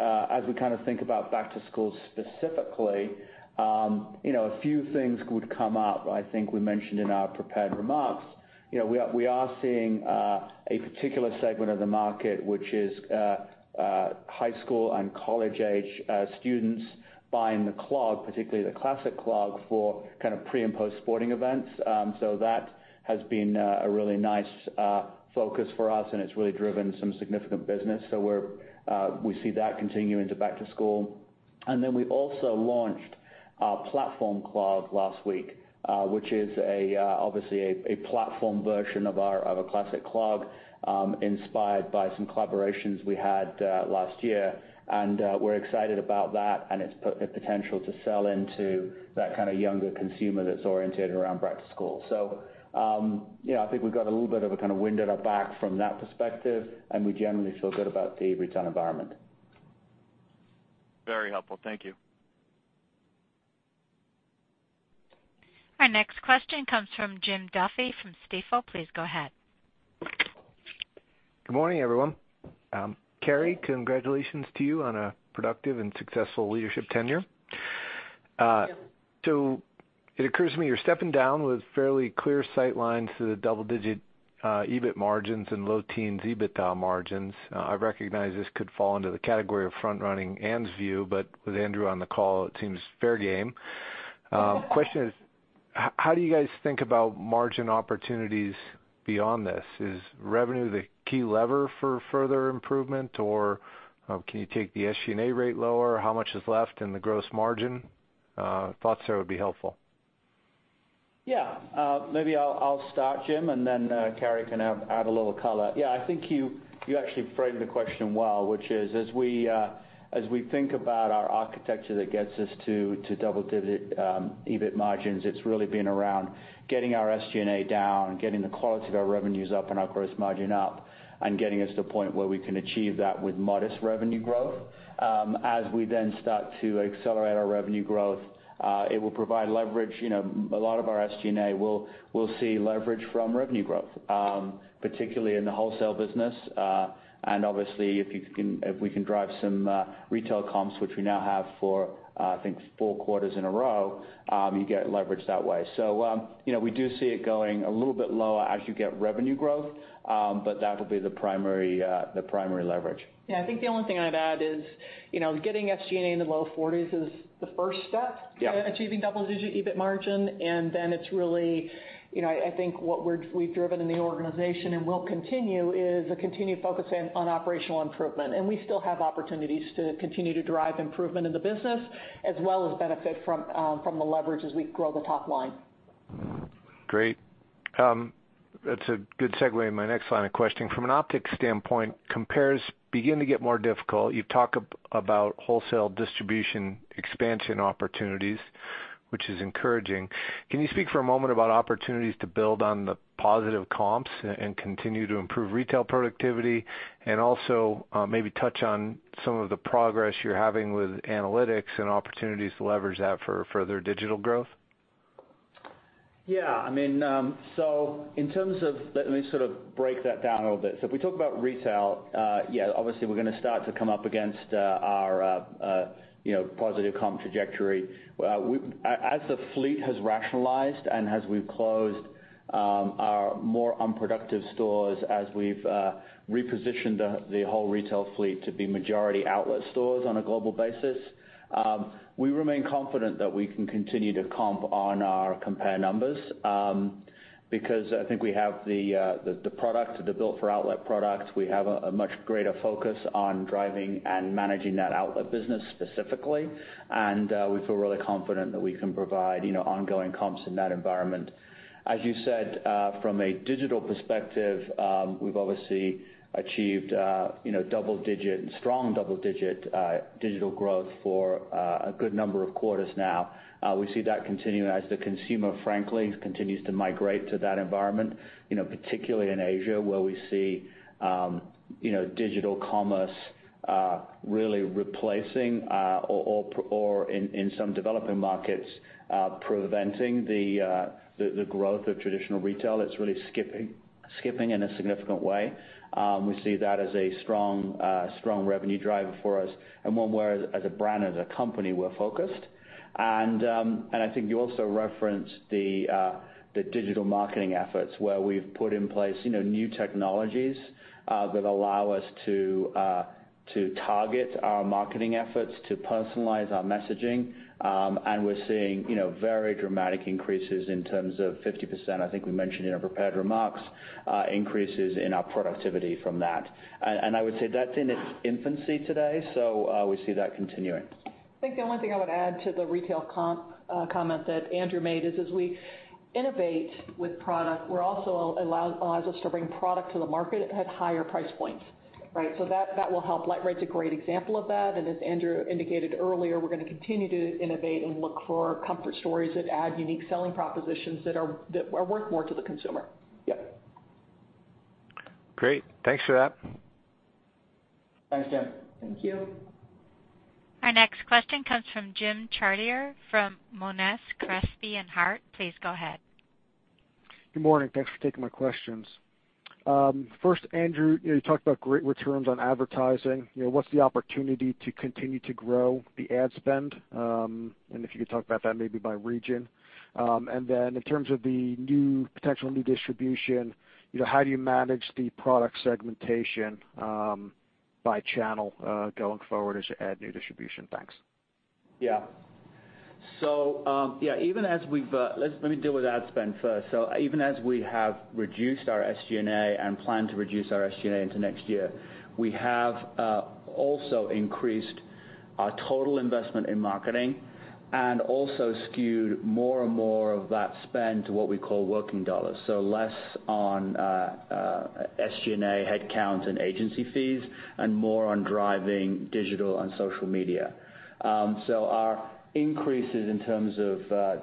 think about back to school specifically, a few things would come up. I think we mentioned in our prepared remarks, we are seeing a particular segment of the market, which is high school and college-age students buying the clog, particularly the Classic Clog, for pre and post sporting events. That has been a really nice focus for us and it's really driven some significant business. We see that continuing to back to school. We also launched our platform clog last week, which is obviously a platform version of a Classic Clog, inspired by some collaborations we had last year. We're excited about that and its potential to sell into that kind of younger consumer that's oriented around back to school. I think we've got a little bit of a kind of wind at our back from that perspective, and we generally feel good about the return environment. Very helpful. Thank you. Our next question comes from Jim Duffy from Stifel. Please go ahead. Good morning, everyone. Carrie, congratulations to you on a productive and successful leadership tenure. Thank you. It occurs to me you're stepping down with fairly clear sight lines to the double-digit EBIT margins and low teens EBITDA margins. I recognize this could fall under the category of front-running Anne's view, but with Andrew on the call, it seems fair game. Question is, how do you guys think about margin opportunities beyond this? Is revenue the key lever for further improvement, or can you take the SG&A rate lower? How much is left in the gross margin? Thoughts there would be helpful. Maybe I'll start, Jim, and then Carrie can add a little color. I think you actually framed the question well, which is, as we think about our architecture that gets us to double-digit EBIT margins, it's really been around getting our SG&A down, getting the quality of our revenues up and our gross margin up, and getting us to a point where we can achieve that with modest revenue growth. As we then start to accelerate our revenue growth, it will provide leverage. A lot of our SG&A will see leverage from revenue growth, particularly in the wholesale business. Obviously if we can drive some retail comps, which we now have for, I think, four quarters in a row, you get leverage that way. We do see it going a little bit lower as you get revenue growth. That will be the primary leverage. I think the only thing I'd add is getting SG&A into the low 40s is the first step- Yeah to achieving double-digit EBIT margin, then it's really, I think what we've driven in the organization and will continue is a continued focus on operational improvement. We still have opportunities to continue to drive improvement in the business, as well as benefit from the leverage as we grow the top line. Great. That's a good segue into my next line of questioning. From an optics standpoint, compares begin to get more difficult. You talk about wholesale distribution expansion opportunities, which is encouraging. Can you speak for a moment about opportunities to build on the positive comps and continue to improve retail productivity? Also maybe touch on some of the progress you're having with analytics and opportunities to leverage that for further digital growth. Let me sort of break that down a little bit. If we talk about retail, obviously we're going to start to come up against our positive comp trajectory. As the fleet has rationalized and as we've closed our more unproductive stores, as we've repositioned the whole retail fleet to be majority outlet stores on a global basis, we remain confident that we can continue to comp on our compare numbers. Because I think we have the product, the built-for-outlet product. We have a much greater focus on driving and managing that outlet business specifically. We feel really confident that we can provide ongoing comps in that environment. From a digital perspective, we've obviously achieved strong double-digit digital growth for a good number of quarters now. We see that continuing as the consumer, frankly, continues to migrate to that environment. Particularly in Asia, where we see digital commerce really replacing or in some developing markets, preventing the growth of traditional retail. It's really skipping in a significant way. We see that as a strong revenue driver for us and one where, as a brand, as a company, we're focused. I think you also referenced the digital marketing efforts where we've put in place new technologies that allow us to target our marketing efforts, to personalize our messaging. We're seeing very dramatic increases in terms of 50%, I think we mentioned in our prepared remarks, increases in our productivity from that. I would say that's in its infancy today. We see that continuing. I think the only thing I would add to the retail comp comment that Andrew made is as we innovate with product, it also allows us to bring product to the market at higher price points. Right? That will help. LiteRide's a great example of that. As Andrew indicated earlier, we're going to continue to innovate and look for comfort stories that add unique selling propositions that are worth more to the consumer. Great. Thanks for that. Thanks, Jim. Thank you. Our next question comes from Jim Chartier from Monness, Crespi and Hardt. Please go ahead. Good morning. Thanks for taking my questions. First, Andrew, you talked about great returns on advertising. What's the opportunity to continue to grow the ad spend? If you could talk about that maybe by region. In terms of the potential new distribution, how do you manage the product segmentation by channel going forward as you add new distribution? Thanks. Let me deal with ad spend first. Even as we have reduced our SG&A and plan to reduce our SG&A into next year, we have also increased our total investment in marketing and also skewed more and more of that spend to what we call working dollars. Less on SG&A headcount and agency fees, and more on driving digital and social media. Our increases in terms of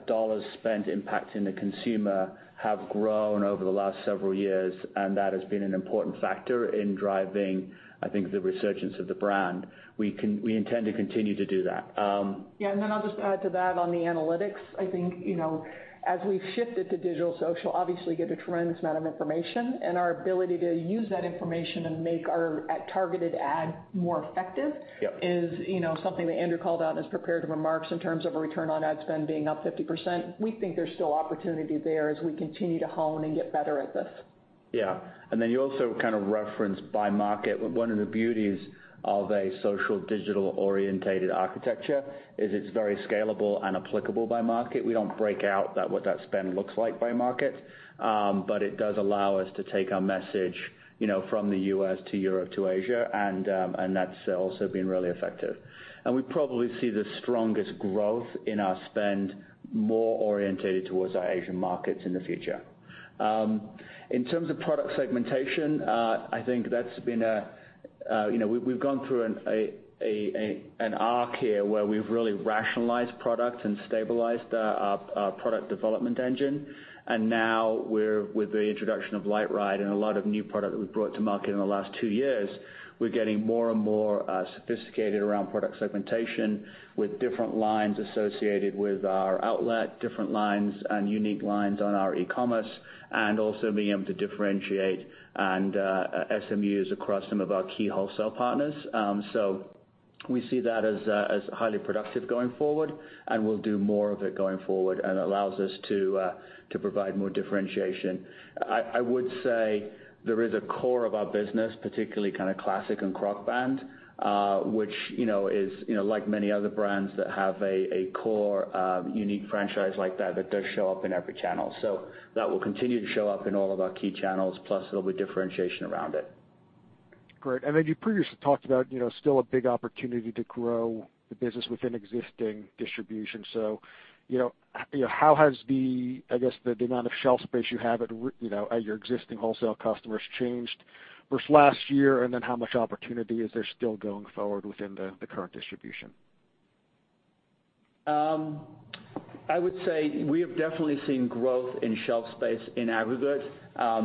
$ spent impacting the consumer have grown over the last several years, and that has been an important factor in driving, I think, the resurgence of the brand. We intend to continue to do that. I'll just add to that on the analytics. I think as we've shifted to digital social, obviously get a tremendous amount of information, and our ability to use that information and make our targeted ad more effective- Yep. -is something that Andrew called out in his prepared remarks in terms of a return on ad spend being up 50%. We think there's still opportunity there as we continue to hone and get better at this. You also kind of referenced by market. One of the beauties of a social digital orientated architecture is it's very scalable and applicable by market. We don't break out what that spend looks like by market. It does allow us to take our message from the U.S. to Europe to Asia, and that's also been really effective. We probably see the strongest growth in our spend more orientated towards our Asian markets in the future. In terms of product segmentation, I think we've gone through an arc here where we've really rationalized product and stabilized our product development engine. Now with the introduction of LiteRide and a lot of new product that we've brought to market in the last two years, we're getting more and more sophisticated around product segmentation with different lines associated with our outlet, different lines and unique lines on our e-commerce, and also being able to differentiate and SMUs across some of our key wholesale partners. We see that as highly productive going forward, and we'll do more of it going forward and allows us to provide more differentiation. I would say there is a core of our business, particularly kind of Classic and Crocband, which is like many other brands that have a core unique franchise like that that does show up in every channel. That will continue to show up in all of our key channels, plus there'll be differentiation around it. Great. You previously talked about still a big opportunity to grow the business within existing distribution. How has the amount of shelf space you have at your existing wholesale customers changed versus last year? How much opportunity is there still going forward within the current distribution? I would say we have definitely seen growth in shelf space in aggregate.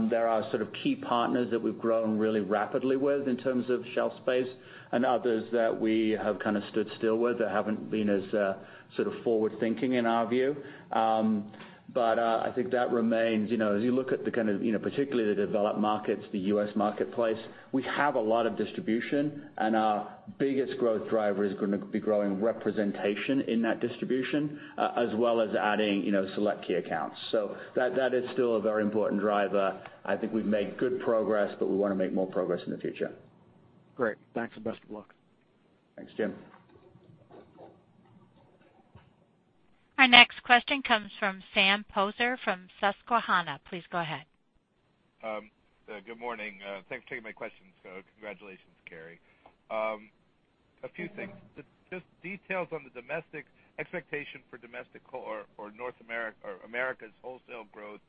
There are sort of key partners that we've grown really rapidly with in terms of shelf space and others that we have kind of stood still with that haven't been as forward-thinking in our view. I think that remains, as you look at particularly the developed markets, the U.S. marketplace, we have a lot of distribution and our biggest growth driver is going to be growing representation in that distribution, as well as adding select key accounts. That is still a very important driver. I think we've made good progress, but we want to make more progress in the future. Great. Thanks, and best of luck. Thanks, Jim. Our next question comes from Sam Poser from Susquehanna. Please go ahead. Good morning. Thanks for taking my questions. Congratulations, Carrie. A few things. Just details on the expectation for domestic or Americas wholesale growth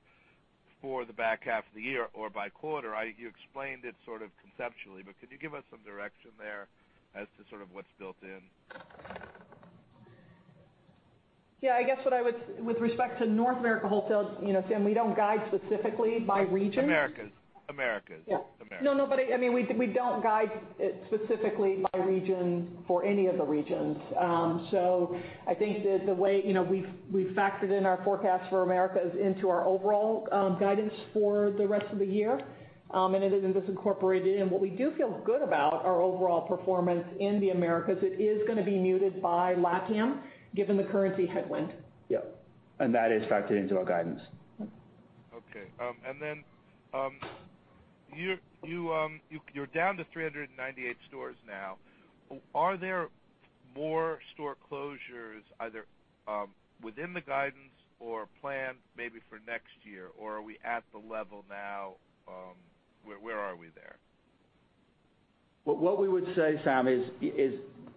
for the back half of the year or by quarter. You explained it sort of conceptually, but could you give us some direction there as to sort of what's built in? Yeah, I guess with respect to North America wholesale, Sam, we don't guide specifically by region. Americas. Yeah. We don't guide it specifically by region for any of the regions. I think that the way we've factored in our forecast for Americas into our overall guidance for the rest of the year, and it is just incorporated in. What we do feel good about our overall performance in the Americas, it is going to be muted by LATAM given the currency headwind. Yeah. That is factored into our guidance. Yep. Okay. You're down to 398 stores now. Are there more store closures either within the guidance or planned maybe for next year, or are we at the level now? Where are we there? What we would say, Sam, is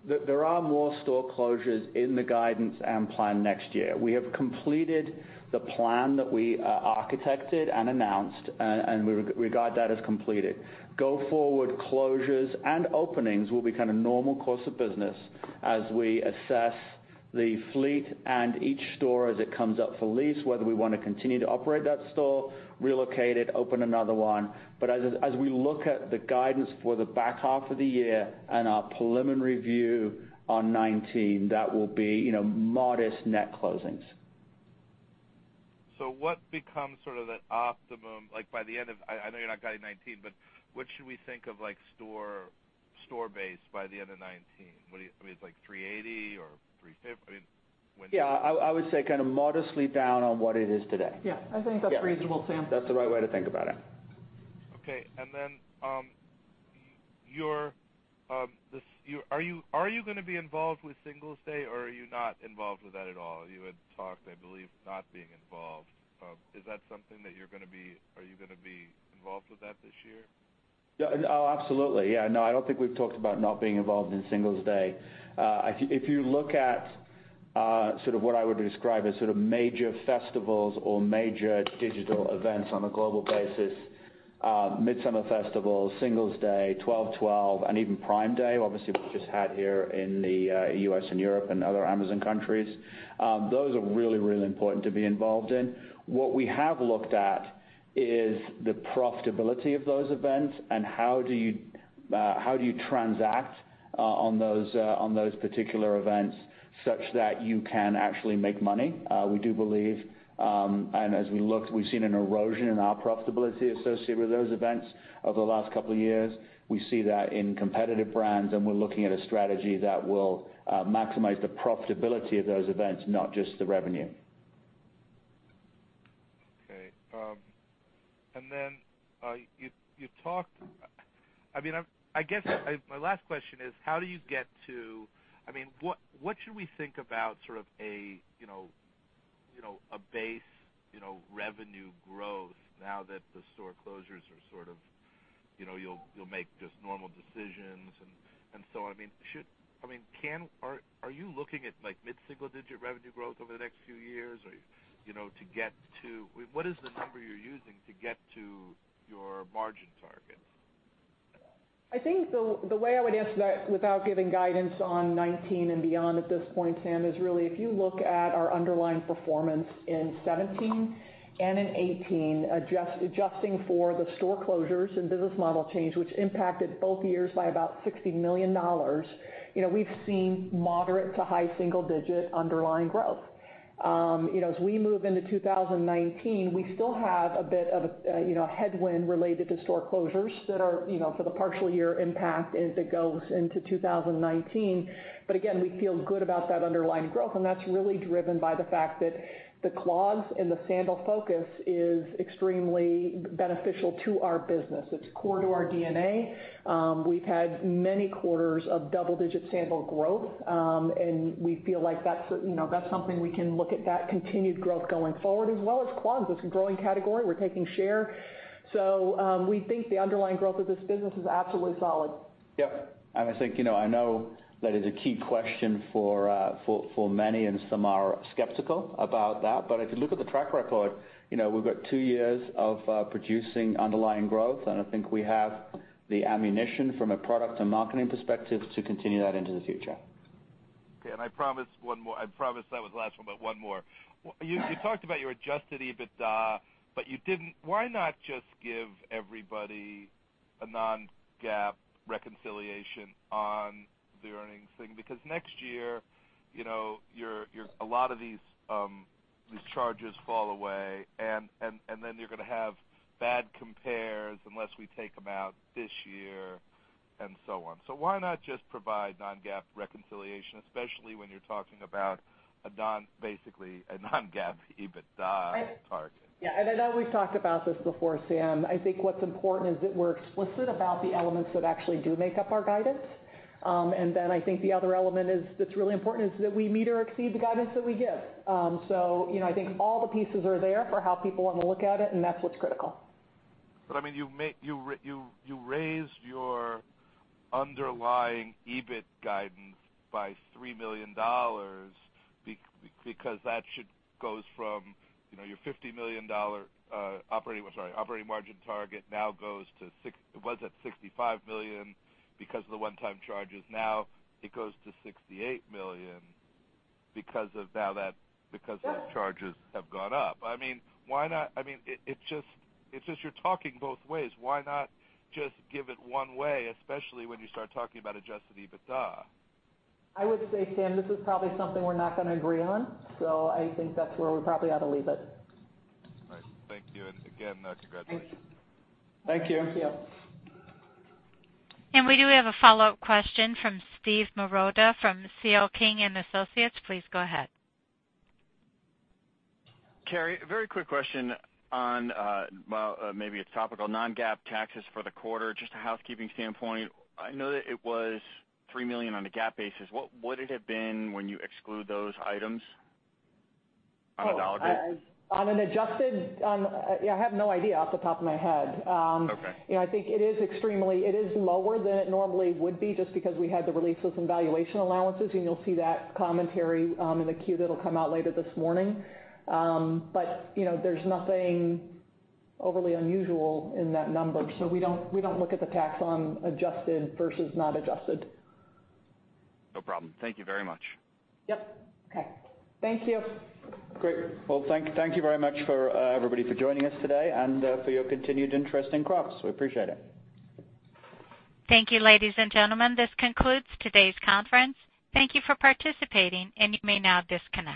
that there are more store closures in the guidance and plan next year. We have completed the plan that we architected and announced, and we regard that as completed. Go forward closures and openings will be kind of normal course of business as we assess the fleet and each store as it comes up for lease, whether we want to continue to operate that store, relocate it, open another one. As we look at the guidance for the back half of the year and our preliminary view on 2019, that will be modest net closings. What becomes the optimum, I know you're not guiding 2019, but what should we think of store base by the end of 2019? Is it like 380 or 350? Yeah, I would say kind of modestly down on what it is today. Yeah, I think that's reasonable, Sam. That's the right way to think about it. Okay. Are you going to be involved with Singles' Day, or are you not involved with that at all? You had talked, I believe, not being involved. Is that something that you're going to be involved with that this year? Oh, absolutely. Yeah, no, I don't think we've talked about not being involved in Singles' Day. If you look at sort of what I would describe as sort of major festivals or major digital events on a global basis, Mid-Year Festival, Singles' Day, 12.12, and even Prime Day, obviously, which just had here in the U.S. and Europe and other Amazon countries. Those are really, really important to be involved in. What we have looked at is the profitability of those events and how do you transact on those particular events such that you can actually make money. We do believe, and as we looked, we've seen an erosion in our profitability associated with those events over the last couple of years. We see that in competitive brands, and we're looking at a strategy that will maximize the profitability of those events, not just the revenue. Okay. I guess my last question is, what should we think about sort of a base revenue growth now that the store closures are You'll make just normal decisions and so on. Are you looking at mid-single-digit revenue growth over the next few years to get to What is the number you're using to get to your margin targets? I think the way I would answer that without giving guidance on 2019 and beyond at this point, Sam, is really if you look at our underlying performance in 2017 and in 2018, adjusting for the store closures and business model change, which impacted both years by about $60 million. We've seen moderate to high single-digit underlying growth. As we move into 2019, we still have a bit of a headwind related to store closures that are for the partial year impact as it goes into 2019. We feel good about that underlying growth, and that's really driven by the fact that the clogs and the sandal focus is extremely beneficial to our business. It's core to our DNA. We've had many quarters of double-digit sandal growth, and we feel like that's something we can look at that continued growth going forward as well as clogs. It's a growing category. We're taking share. We think the underlying growth of this business is absolutely solid. Yep. I think I know that is a key question for many, and some are skeptical about that. If you look at the track record, we've got two years of producing underlying growth, and I think we have the ammunition from a product and marketing perspective to continue that into the future. Okay. I promised that was the last one, but one more. You talked about your adjusted EBITDA, but you didn't. Why not just give everybody a non-GAAP reconciliation on the earnings thing? Next year, a lot of these charges fall away, and then you're going to have bad compares unless we take them out this year, and so on. Why not just provide non-GAAP reconciliation, especially when you're talking about, basically, a non-GAAP EBITDA target? Yeah. I know we've talked about this before, Sam. I think what's important is that we're explicit about the elements that actually do make up our guidance. Then I think the other element that's really important is that we meet or exceed the guidance that we give. I think all the pieces are there for how people want to look at it, and that's what's critical. You raised your underlying EBIT guidance by $3 million because that should go from your $50 million operating margin target now goes to. It was at $65 million because of the one-time charges. Now it goes to $68 million because those charges have gone up. You're talking both ways. Why not just give it one way, especially when you start talking about adjusted EBITDA? I would say, Sam, this is probably something we're not going to agree on. I think that's where we probably ought to leave it. All right. Thank you. Again, congratulations. Thank you. Yeah. We do have a follow-up question from Steve Marotta from C.L. King & Associates. Please go ahead. Carrie, a very quick question on, well, maybe it's topical, non-GAAP taxes for the quarter, just a housekeeping standpoint. I know that it was $3 million on a GAAP basis. What would it have been when you exclude those items on a dollar basis? On an adjusted, I have no idea off the top of my head. Okay. I think it is lower than it normally would be just because we had the releases and valuation allowances, and you'll see that commentary in the Q that'll come out later this morning. There's nothing overly unusual in that number. We don't look at the tax on adjusted versus not adjusted. No problem. Thank you very much. Yep. Okay. Thank you. Great. Well, thank you very much, everybody, for joining us today and for your continued interest in Crocs. We appreciate it. Thank you, ladies and gentlemen. This concludes today's conference. Thank you for participating, and you may now disconnect.